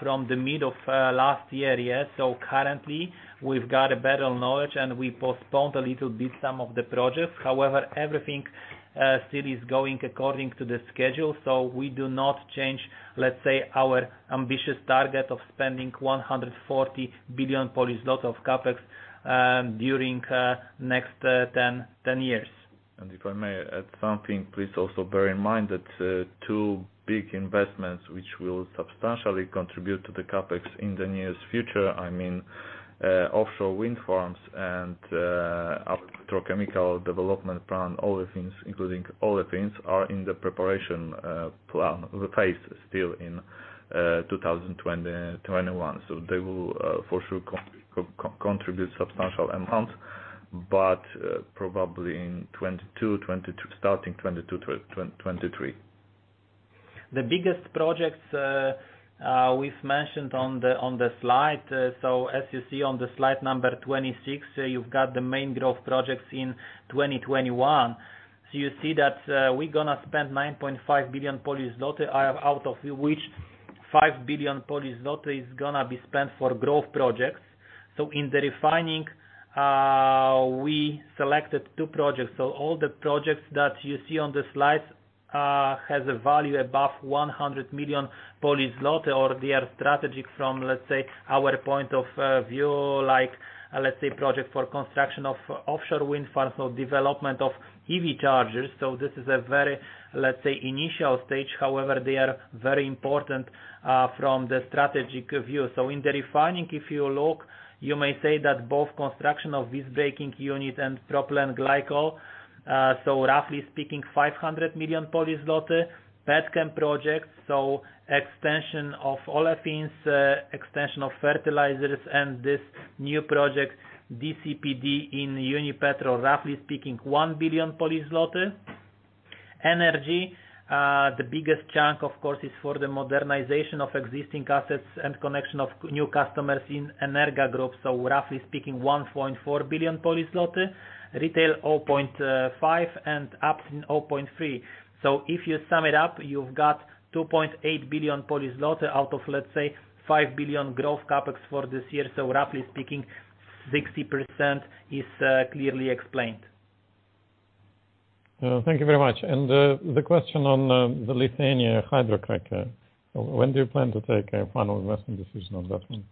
from the mid of last year. Currently, we've got a better knowledge, and we postponed a little bit some of the projects. However, everything still is going according to the schedule, so we do not change, let's say, our ambitious target of spending 140 billion of CapEx during next 10 years. If I may add something, please also bear in mind that two big investments which will substantially contribute to the CapEx in the nearest future, I mean, offshore wind farms and petrochemical development plan, including olefins, are in the preparation phase still in 2021. They will for sure contribute substantial amounts, but probably starting 2022, 2023. The biggest projects we've mentioned on the slide. As you see on the slide number 26, you've got the main growth projects in 2021. You see that we're gonna spend 9.5 billion Polish zloty, out of which 5 billion Polish zloty is gonna be spent for growth projects. In the refining, we selected two projects. All the projects that you see on the slides has a value above 100 million, or they are strategic from, let's say, our point of view, like, let's say, project for construction of offshore wind farms or development of EV chargers. This is a very, let's say, initial stage. However, they are very important from the strategic view. In the refining, if you look, you may say that both construction of visbreaking unit and propylene glycol. Roughly speaking, 500 million Polish zloty. Petchem projects, so extension of olefins, extension of fertilizers, and this new project, DCPD in Unipetrol, roughly speaking, 1 billion Polish zloty. Energy, the biggest chunk, of course, is for the modernization of existing assets and connection of new customers in Energa Group. Roughly speaking, 1.4 billion zloty. Retail, 0.5 billion zloty, and Upstream, 0.3 billion. If you sum it up, you've got 2.28 billion zloty out of, let's say, 5 billion growth CapEx for this year. Roughly speaking, 60% is clearly explained. Thank you very much. The question on the Lithuania hydrocracker, when do you plan to take a final investment decision on that one?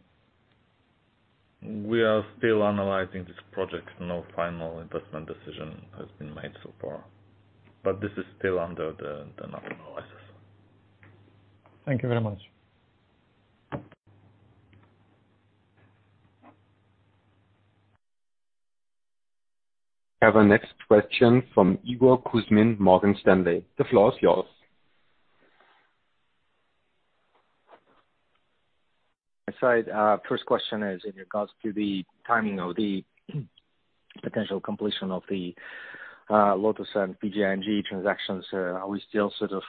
We are still analyzing this project. No final investment decision has been made so far. This is still under the national assessment. Thank you very much. I have our next question from Igor Kuzmin, Morgan Stanley. The floor is yours. Hi, Said. First question is in regards to the timing of the potential completion of the LOTOS and PGNiG transactions. Are we still sort of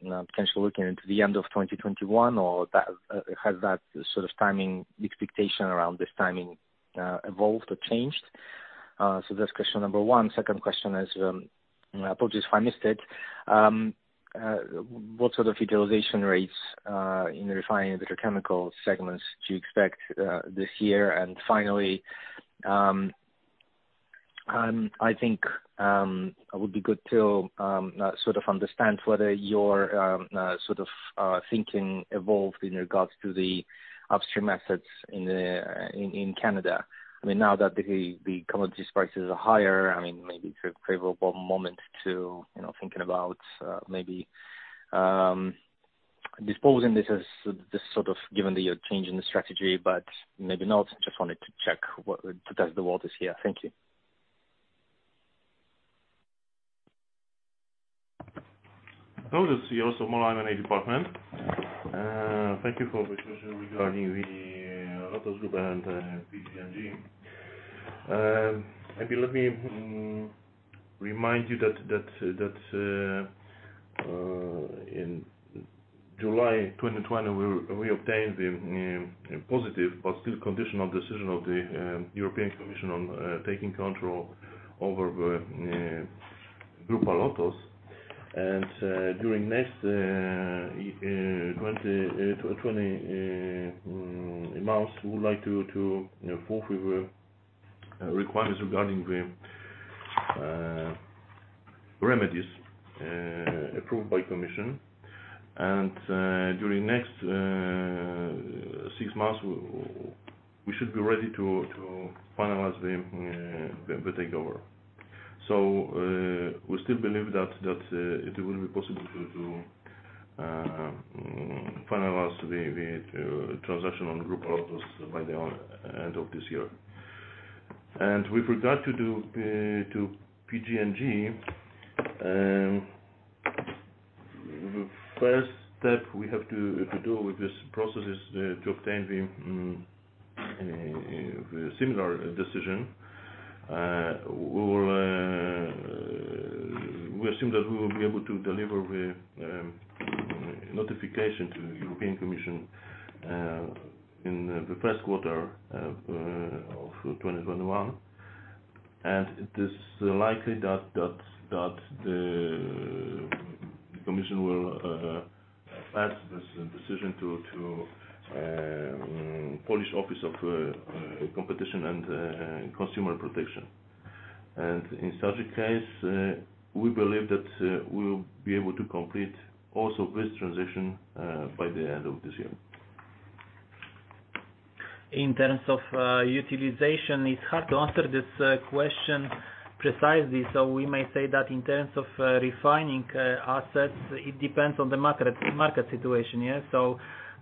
potentially looking into the end of 2021, or has that sort of expectation around this timing evolved or changed? That's question number one. Second question is, apologies if I missed it, what sort of utilization rates in the refining petrochemical segments do you expect this year? Finally, I think it would be good to sort of understand whether your thinking evolved in regards to the upstream assets in Canada. Now that the commodities prices are higher, maybe it's a favorable moment to think about maybe disposing this as just sort of given your change in the strategy, maybe not. Just wanted to check to test the waters here. Thank you. Hello, this is Jarosław Mol, M&A department. Thank you for the question regarding the LOTOS Group and the PGNiG. Maybe let me remind you that in July 2020, we obtained the positive but still conditional decision of the European Commission on taking control over Grupa Lotos. During the next 20 months, we would like to fulfill the requirements regarding the remedies approved by the Commission. During the next six months, we should be ready to finalize the takeover. We still believe that it will be possible to finalize the transaction on Grupa Lotos by the end of this year. With regard to PGNiG, the first step we have to do with this process is to obtain the similar decision. We assume that we will be able to deliver the notification to the European Commission in the first quarter of 2021, and it is likely that the Commission will pass this decision to Polish Office of Competition and Consumer Protection. In such a case, we believe that we will be able to complete also this transition by the end of this year. In terms of utilization, it is hard to answer this question precisely. We may say that in terms of refining assets, it depends on the market situation.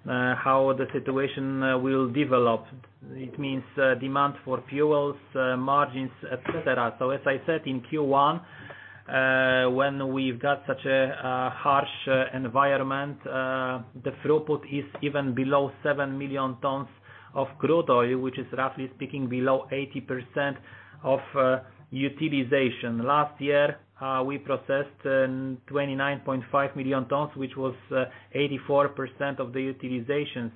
How the situation will develop, it means demand for fuels, margins, et cetera. As I said, in Q1, when we have got such a harsh environment, the throughput is even below seven million tons of crude oil, which is roughly speaking, below 80% of utilization. Last year, we processed 29.5 million tons, which was 84% of the utilization.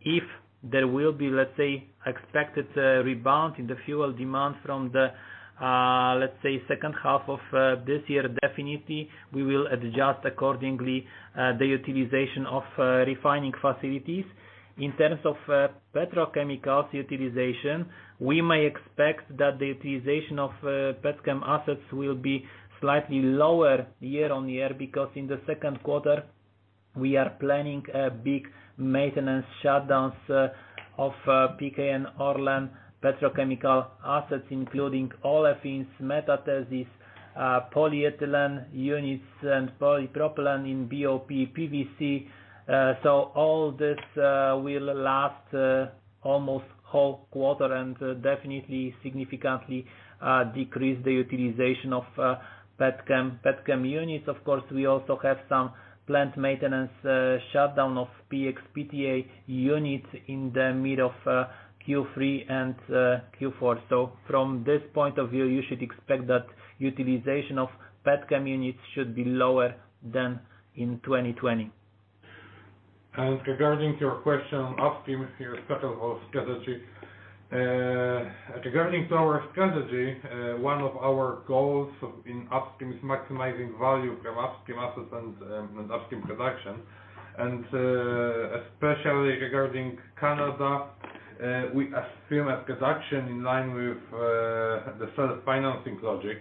If there will be, let's say, expected rebound in the fuel demand from the, let's say, second half of this year, definitely we will adjust accordingly the utilization of refining facilities. In terms of petrochemicals utilization, we may expect that the utilization of petchem assets will be slightly lower year-on-year because in the second quarter, we are planning a big maintenance shutdown of PKN Orlen petrochemical assets, including olefins, metathesis, polyethylene units and polypropylene in BOP PVC. All this will last almost the whole quarter and definitely significantly decrease the utilization of petchem units. Of course, we also have some plant maintenance shutdown of PX PTA units in the middle of Q3 and Q4. From this point of view, you should expect that utilization of petchem units should be lower than in 2020. Regarding your question on upstream, your strategy. Regarding our strategy, one of our goals in upstream is maximizing value from upstream assets and upstream production, and especially regarding Canada, we assume that production in line with the self-financing logic.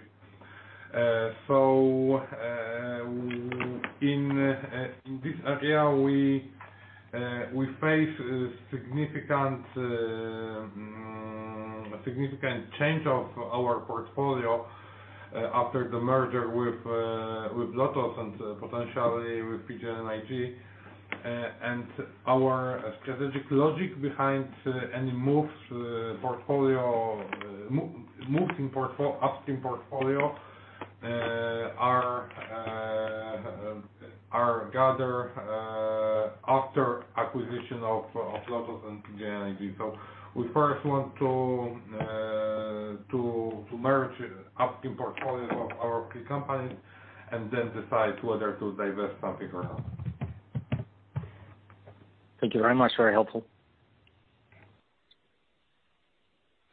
In this area, we face a significant change of our portfolio after the merger with LOTOS and potentially with PGNiG. Our strategic logic behind any moves in upstream portfolio are gathered after acquisition of LOTOS and PGNiG. We first want to merge upstream portfolios of our three companies and then decide whether to divest something or not. Thank you very much. Very helpful.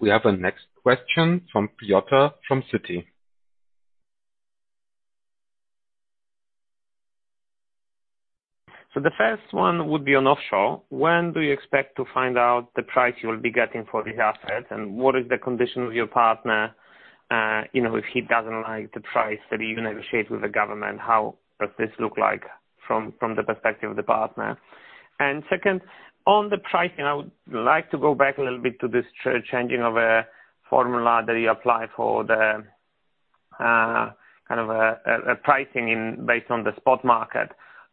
We have the next question from Piotr from Citi. The first one would be on offshore. When do you expect to find out the price you will be getting for these assets? What is the condition of your partner? If he doesn't like the price that you negotiate with the government, how does this look like from the perspective of the partner? Second, on the pricing, I would like to go back a little bit to this changing of a formula that you apply for the kind of a pricing based on the spot market.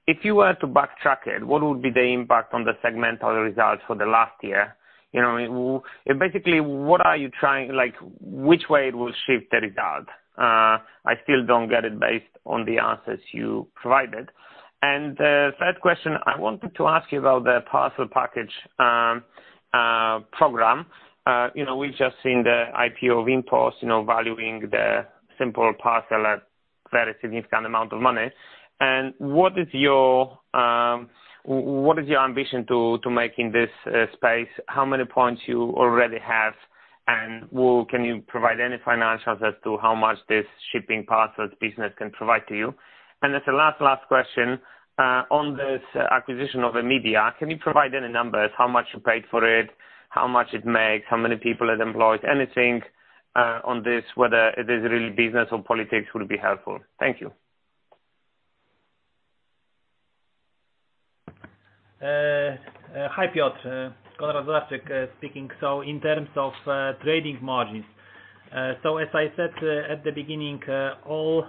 If you were to backtrack it, what would be the impact on the segmental results for the last year? Basically, which way it will shift the result? I still don't get it based on the answers you provided. Third question, I wanted to ask you about the parcel package program. We've just seen the IPO of InPost valuing the simple parcel at a very significant amount of money. What is your ambition to make in this space? How many points you already have? Can you provide any financials as to how much this shipping parcels business can provide to you? As the last question, on this acquisition of a media, can you provide any numbers? How much you paid for it, how much it makes, how many people it employs? Anything on this, whether it is really business or politics, would be helpful. Thank you. Hi, Piotr. Konrad Wlodarczyk speaking. In terms of trading margins, as I said at the beginning, all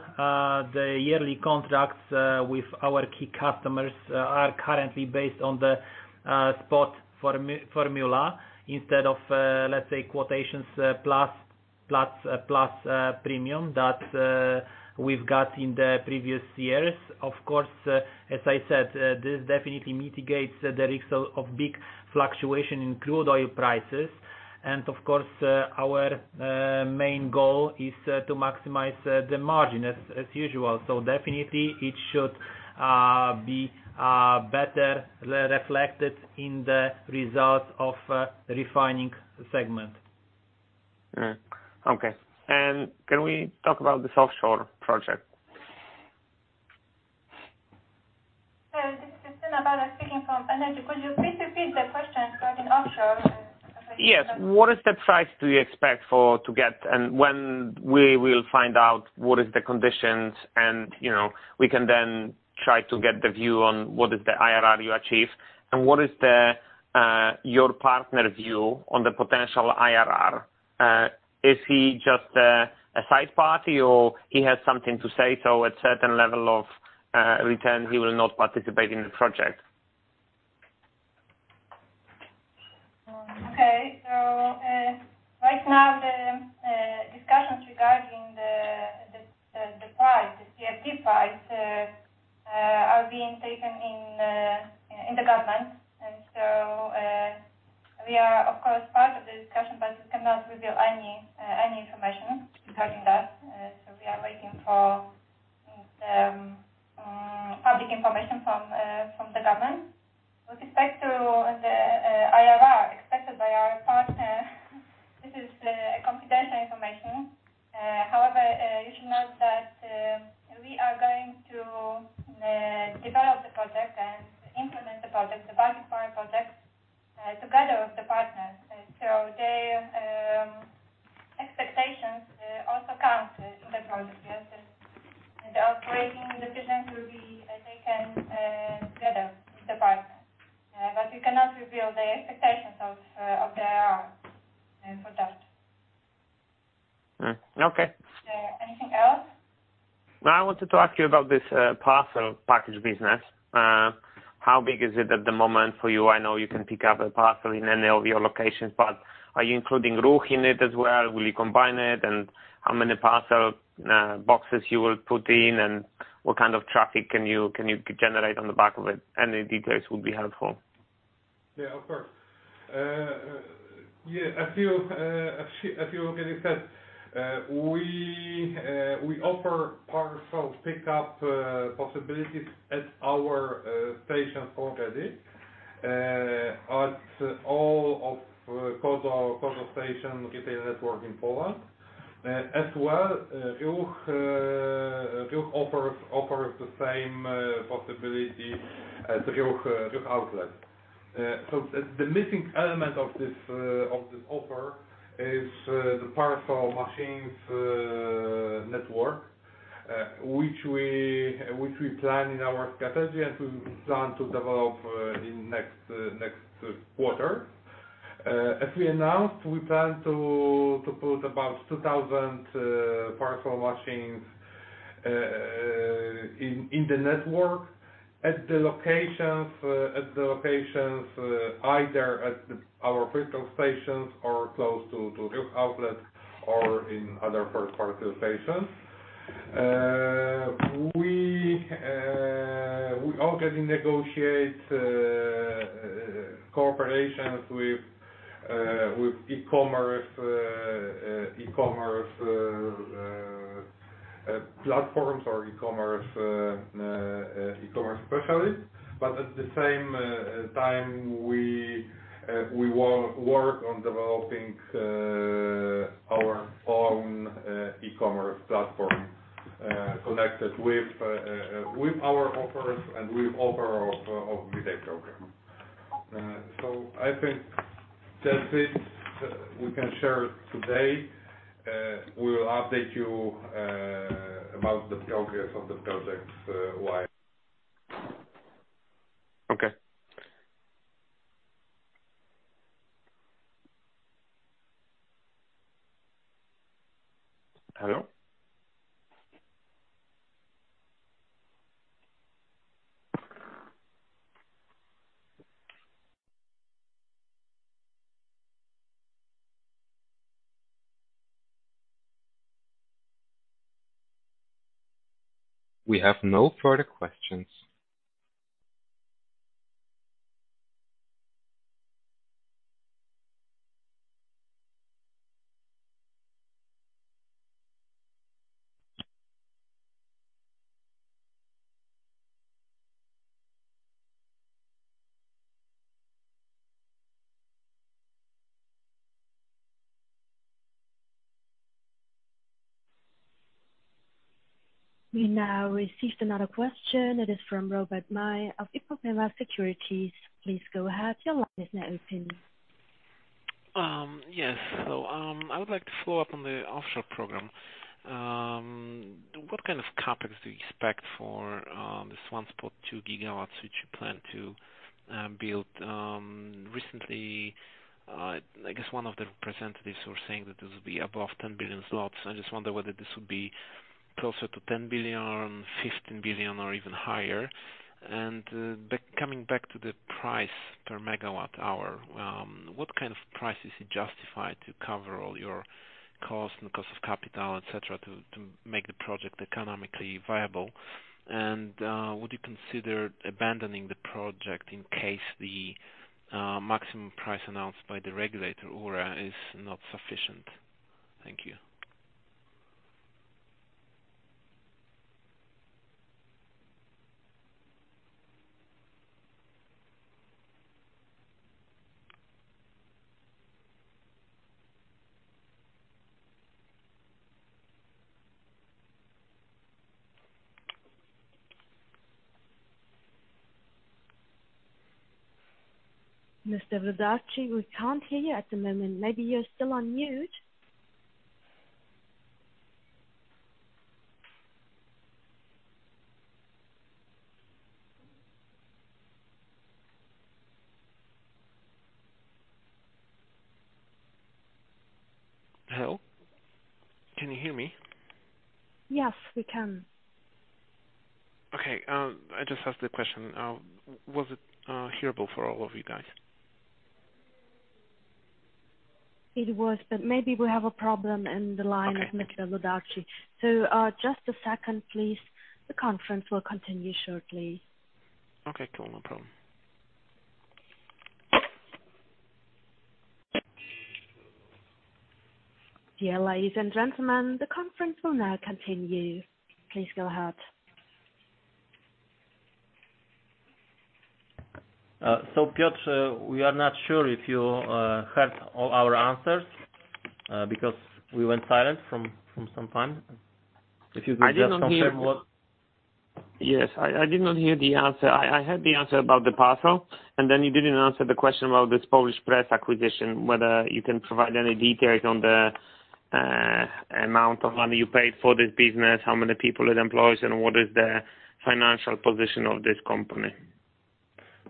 the yearly contracts with our key customers are currently based on the spot formula instead of, let's say, quotations plus premium that we've got in the previous years. Of course, as I said, this definitely mitigates the risk of big fluctuation in crude oil prices. Of course, our main goal is to maximize the margin as usual. Definitely it should be better reflected in the results of refining segment. Okay. Can we talk about this offshore project? This is Krystyna Urbanska speaking from Energa. Could you please repeat the question regarding offshore? Yes. What is the price do you expect to get, and when we will find out what is the conditions and, we can then try to get the view on what is the IRR you achieve, and what is your partner view on the potential IRR? Is he just a side party or he has something to say, so at certain level of return, he will not participate in the project? Okay. Right now the discussions regarding the price, the CfD price, are being taken in the government. We are, of course, part of the discussion, but we cannot reveal any information regarding that. We are waiting for the public information from the government. With respect to the IRR expected by our partner, this is confidential information. However, you should note that we are going to develop the project and implement the project, the Baltic Power project, together with the partners. Their expectations also count in the project. Yes. The operating decisions will be taken together with the partners. We cannot reveal the expectations of the IRR for that. Okay. Anything else? I wanted to ask you about this parcel package business. How big is it at the moment for you? I know you can pick up a parcel in any of your locations, but are you including Ruch in it as well? Will you combine it? How many parcel boxes you will put in, and what kind of traffic can you generate on the back of it? Any details would be helpful. Yeah, of course. As you already said, we offer parcel pickup possibilities at our stations already, at all of CODO station retail network in Poland. As well, Ruch offers the same possibility at Ruch outlet. The missing element of this offer is the parcel machines network, which we plan in our strategy and we plan to develop in next quarter. As we announced, we plan to put about 2,000 parcel machines in the network at the locations either at our petrol stations or close to Ruch outlet or in other third-party stations. We already negotiate cooperations with e-commerce platforms or e-commerce specialists, but at the same time, we work on developing our own e-commerce platform connected with our offers and with offer of retail program. I think that's it. We can share today. We will update you about the progress of the project live. Okay. Hello? We have no further questions. We now received another question. It is from Robert Maj of IPOPEMA Securities. Please go ahead. Your line is now open. Yes. I would like to follow up on the offshore program. What kind of CapEx do you expect for this 1.2 GWs, which you plan to build? Recently, I guess one of the representatives was saying that this will be above 10 billion zlotys. I just wonder whether this would be closer to 10 billion, 15 billion, or even higher. Coming back to the price per MW hour, what kind of price is it justified to cover all your costs and cost of capital, et cetera, to make the project economically viable? Would you consider abandoning the project in case the maximum price announced by the regulator, URE, is not sufficient? Thank you. Mr. Włodarczyk, we can't hear you at the moment. Maybe you're still on mute. Hello? Can you hear me? Yes, we can. Okay. I just asked the question. Was it hearable for all of you guys? It was, maybe we have a problem in the line of Michał Włodarczyk. Just a second, please. The conference will continue shortly. Okay, cool. No problem. Dear ladies and gentlemen, the conference will now continue. Please go ahead. Piotr, we are not sure if you heard all our answers, because we went silent from some time. If you could just confirm what. Yes, I did not hear the answer. I heard the answer about the parcel, and then you didn't answer the question about this Polska Press acquisition, whether you can provide any details on the amount of money you paid for this business, how many people it employs, and what is the financial position of this company.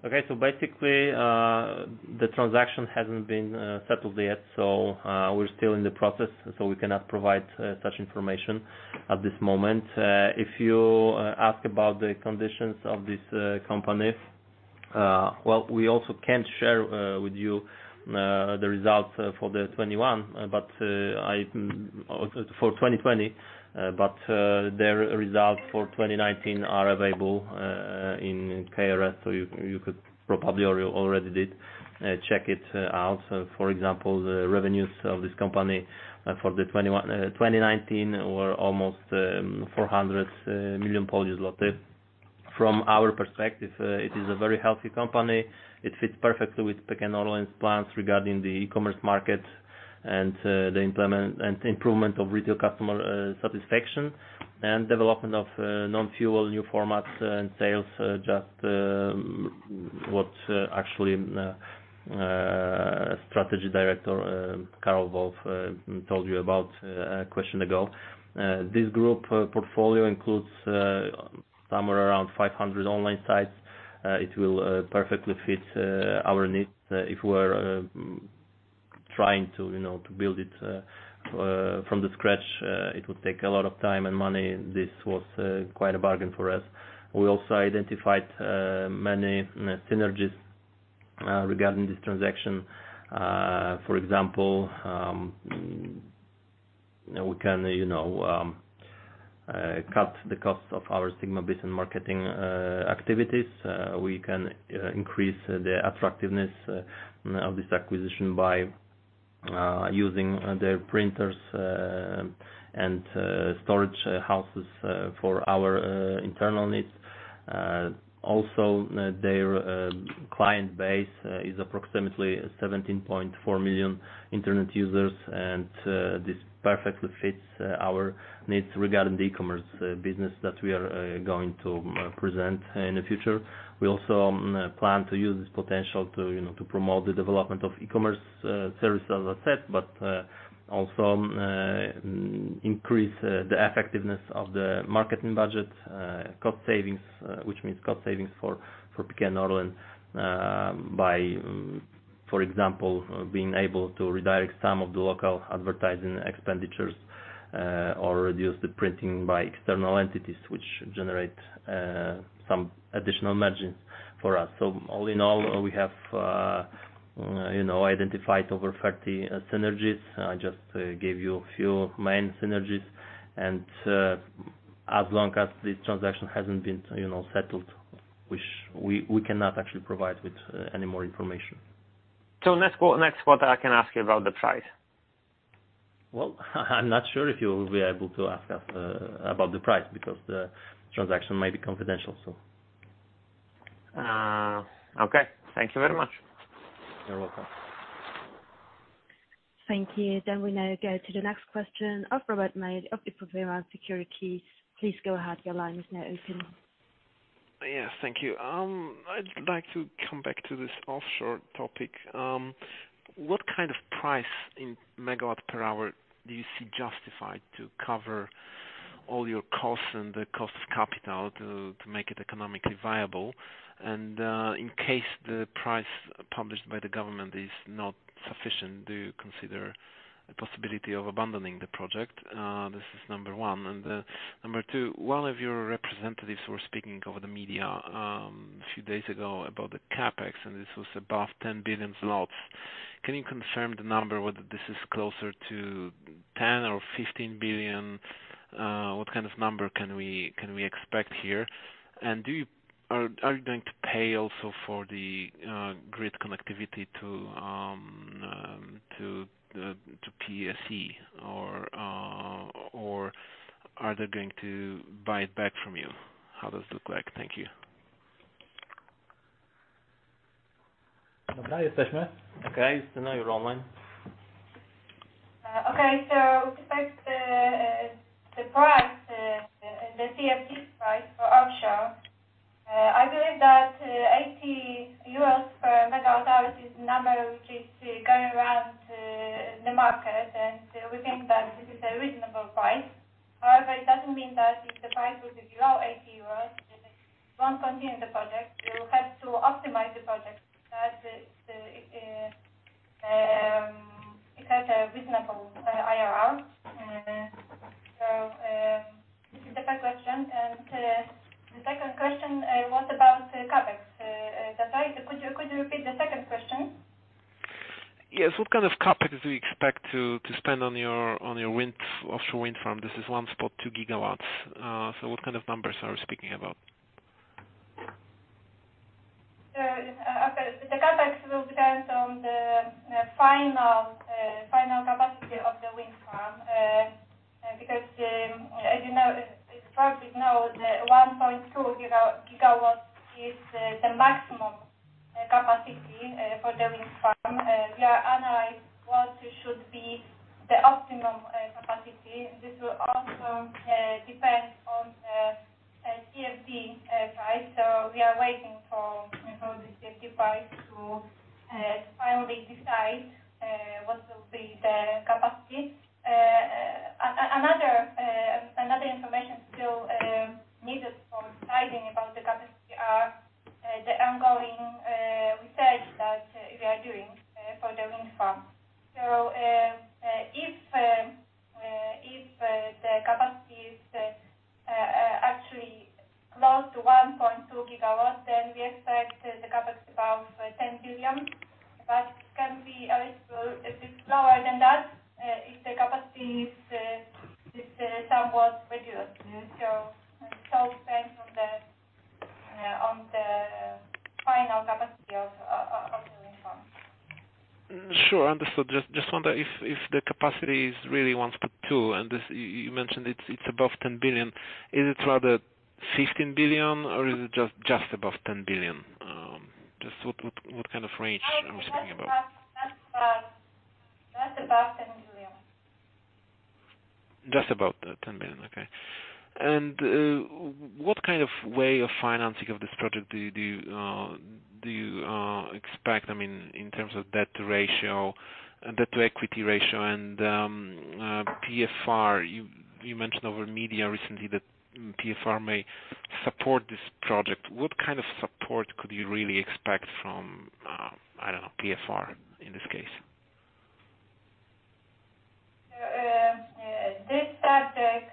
Okay. Basically, the transaction hasn't been settled yet, so we're still in the process, so we cannot provide such information at this moment. If you ask about the conditions of this company, well, we also can't share with you the results for 2020, but their results for 2019 are available in KRS, so you could probably, or you already did, check it out. For example, the revenues of this company for the 2019 were almost 400 million zloty. From our perspective, it is a very healthy company. It fits perfectly with PKN Orlen plans regarding the e-commerce market and the improvement of retail customer satisfaction and development of non-fuel new formats and sales, just what actually Strategy Director, Karol Wolff, told you about a question ago. This group portfolio includes somewhere around 500 online sites. It will perfectly fit our needs. If we're trying to build it from the scratch, it would take a lot of time and money. This was quite a bargain for us. We also identified many synergies regarding this transaction. For example, we can cut the cost of our Sigma BIS marketing activities. We can increase the attractiveness of this acquisition by using their printers and storage houses for our internal needs. Also, their client base is approximately 17.4 million internet users, and this perfectly fits our needs regarding the e-commerce business that we are going to present in the future. We also plan to use this potential to promote the development of e-commerce services asset, but also increase the effectiveness of the marketing budget, which means cost savings for PKN Orlen by, for example, being able to redirect some of the local advertising expenditures or reduce the printing by external entities, which generate some additional margin for us. All in all, we have identified over 30 synergies. I just gave you a few main synergies, as long as this transaction hasn't been settled Which we cannot actually provide with any more information. Next quarter, I can ask you about the price. I'm not sure if you will be able to ask us about the price, because the transaction may be confidential. Okay. Thank you very much. You're welcome. Thank you. We now go to the next question, Robert Maj of Provera Securities. Please go ahead. Your line is now open. Yes. Thank you. I'd like to come back to this offshore topic. What kind of price in MW per hour do you see justified to cover all your costs and the cost of capital to make it economically viable? In case the price published by the government is not sufficient, do you consider the possibility of abandoning the project? This is number one. Number two, one of your representatives were speaking over the media, a few days ago about the CapEx, and this was above 10 billion zlotys. Can you confirm the number, whether this is closer to 10 or 15 billion? What kind of number can we expect here? Are you going to pay also for the grid connectivity to PSE or are they going to buy it back from you? How does it look like? Thank you. Okay. Justyna, you're online. Okay. To start, the price, the CfD price for offshore, I believe that 80 euros per MW hour is the number which is going around the market, and we think that this is a reasonable price. However, it doesn't mean that if the price would be below 80 euros, we won't continue the project. We will have to optimize the project such that it has a reasonable IRR. This is the first question. The second question, was about CapEx. Is that right? Could you repeat the second question? Yes. What kind of CapEx do you expect to spend on your offshore wind farm? This is one spot, 2 GWs. What kind of numbers are we speaking about? Okay. The CapEx will depend on the final capacity of the wind farm. Because as you know, as far as we know, the 1.2 GW is the maximum capacity for the wind farm. We are analyzing what should be the optimum capacity. This will also depend on the CFD price. We are waiting for the CFD price to finally decide what will be the capacity. Another information still needed for deciding about the capacity are the ongoing research that we are doing for the wind farm. If the capacity is actually close to 1.2 GW, then we expect the CapEx above 10 billion, but it can be a little lower than that, if the capacity is somewhat reduced. It all depends on the final capacity of the wind farm. Sure. Understood. Just wonder if the capacity is really 1.2, you mentioned it's above 10 billion. Is it rather 15 billion or is it just above 10 billion? Just what kind of range are we speaking about? Just above PLN 10 billion. Just above 10 billion. Okay. What kind of way of financing of this project do you expect, in terms of debt ratio, debt-to-equity ratio and PFR? You mentioned over media recently that PFR may support this project. What kind of support could you really expect from, I don't know, PFR in this case? This subject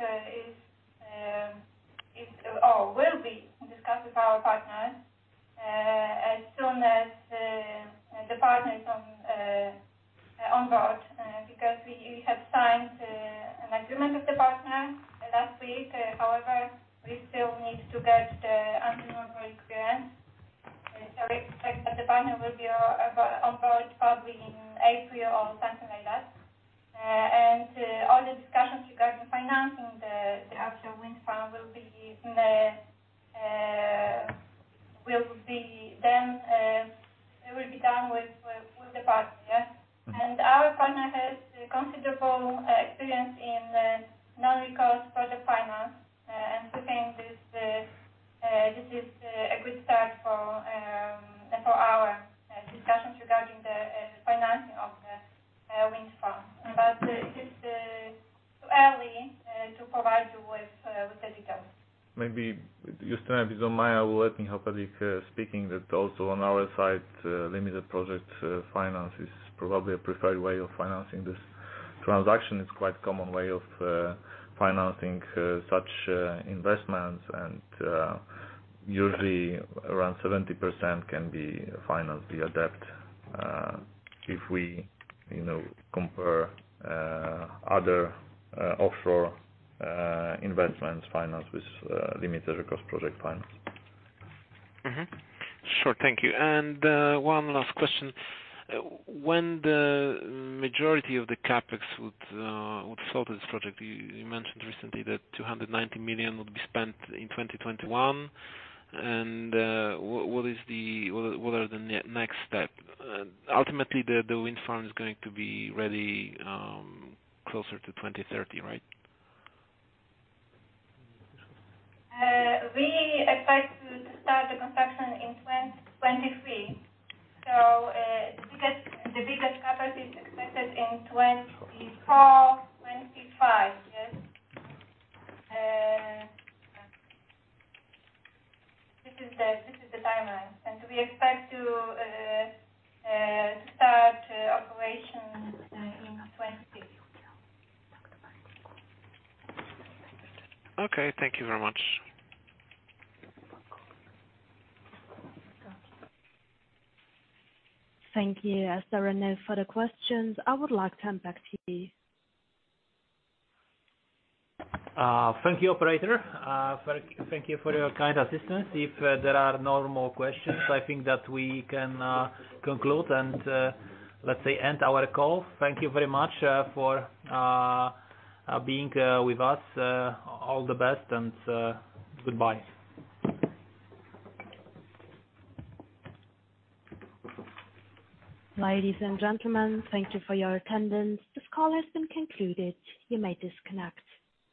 will be discussed with our partner, as soon as the partner is on board, because we have signed an agreement with the partner last week. However, we still need to get the antitrust clearance. We expect that the partner will be on board probably in April or something like that. All the discussions regarding financing the offshore wind farm will be done with the partner. Our partner has considerable experience in non-recourse project finance. We think this is a good start for our discussions regarding the financing of the wind farm. It is too early to provide you with the details. Maybe Justyna Bizun-Maja will let me help a bit, speaking that also on our side, limited project finance is probably a preferred way of financing this transaction. It's quite common way of financing such investments, and usually around 70% can be financed via debt, if we compare other offshore investments financed with limited recourse project finance. Sure. Thank you. One last question. When the majority of the CapEx would sort this project, you mentioned recently that 290 million would be spent in 2021. What are the next step? Ultimately, the wind farm is going to be ready closer to 2030, right? We expect to start the construction in 2023. The biggest capacity is expected in 2024, 2025. Yes. This is the timeline. We expect to start operation in 2026. Okay. Thank you very much. Thank you, Sarah Neil, for the questions. I would like to hand back to you. Thank you, operator. Thank you for your kind assistance. If there are no more questions, I think that we can conclude and, let's say, end our call. Thank you very much for being with us. All the best, and goodbye. Ladies and gentlemen, thank you for your attendance. This call has been concluded. You may disconnect.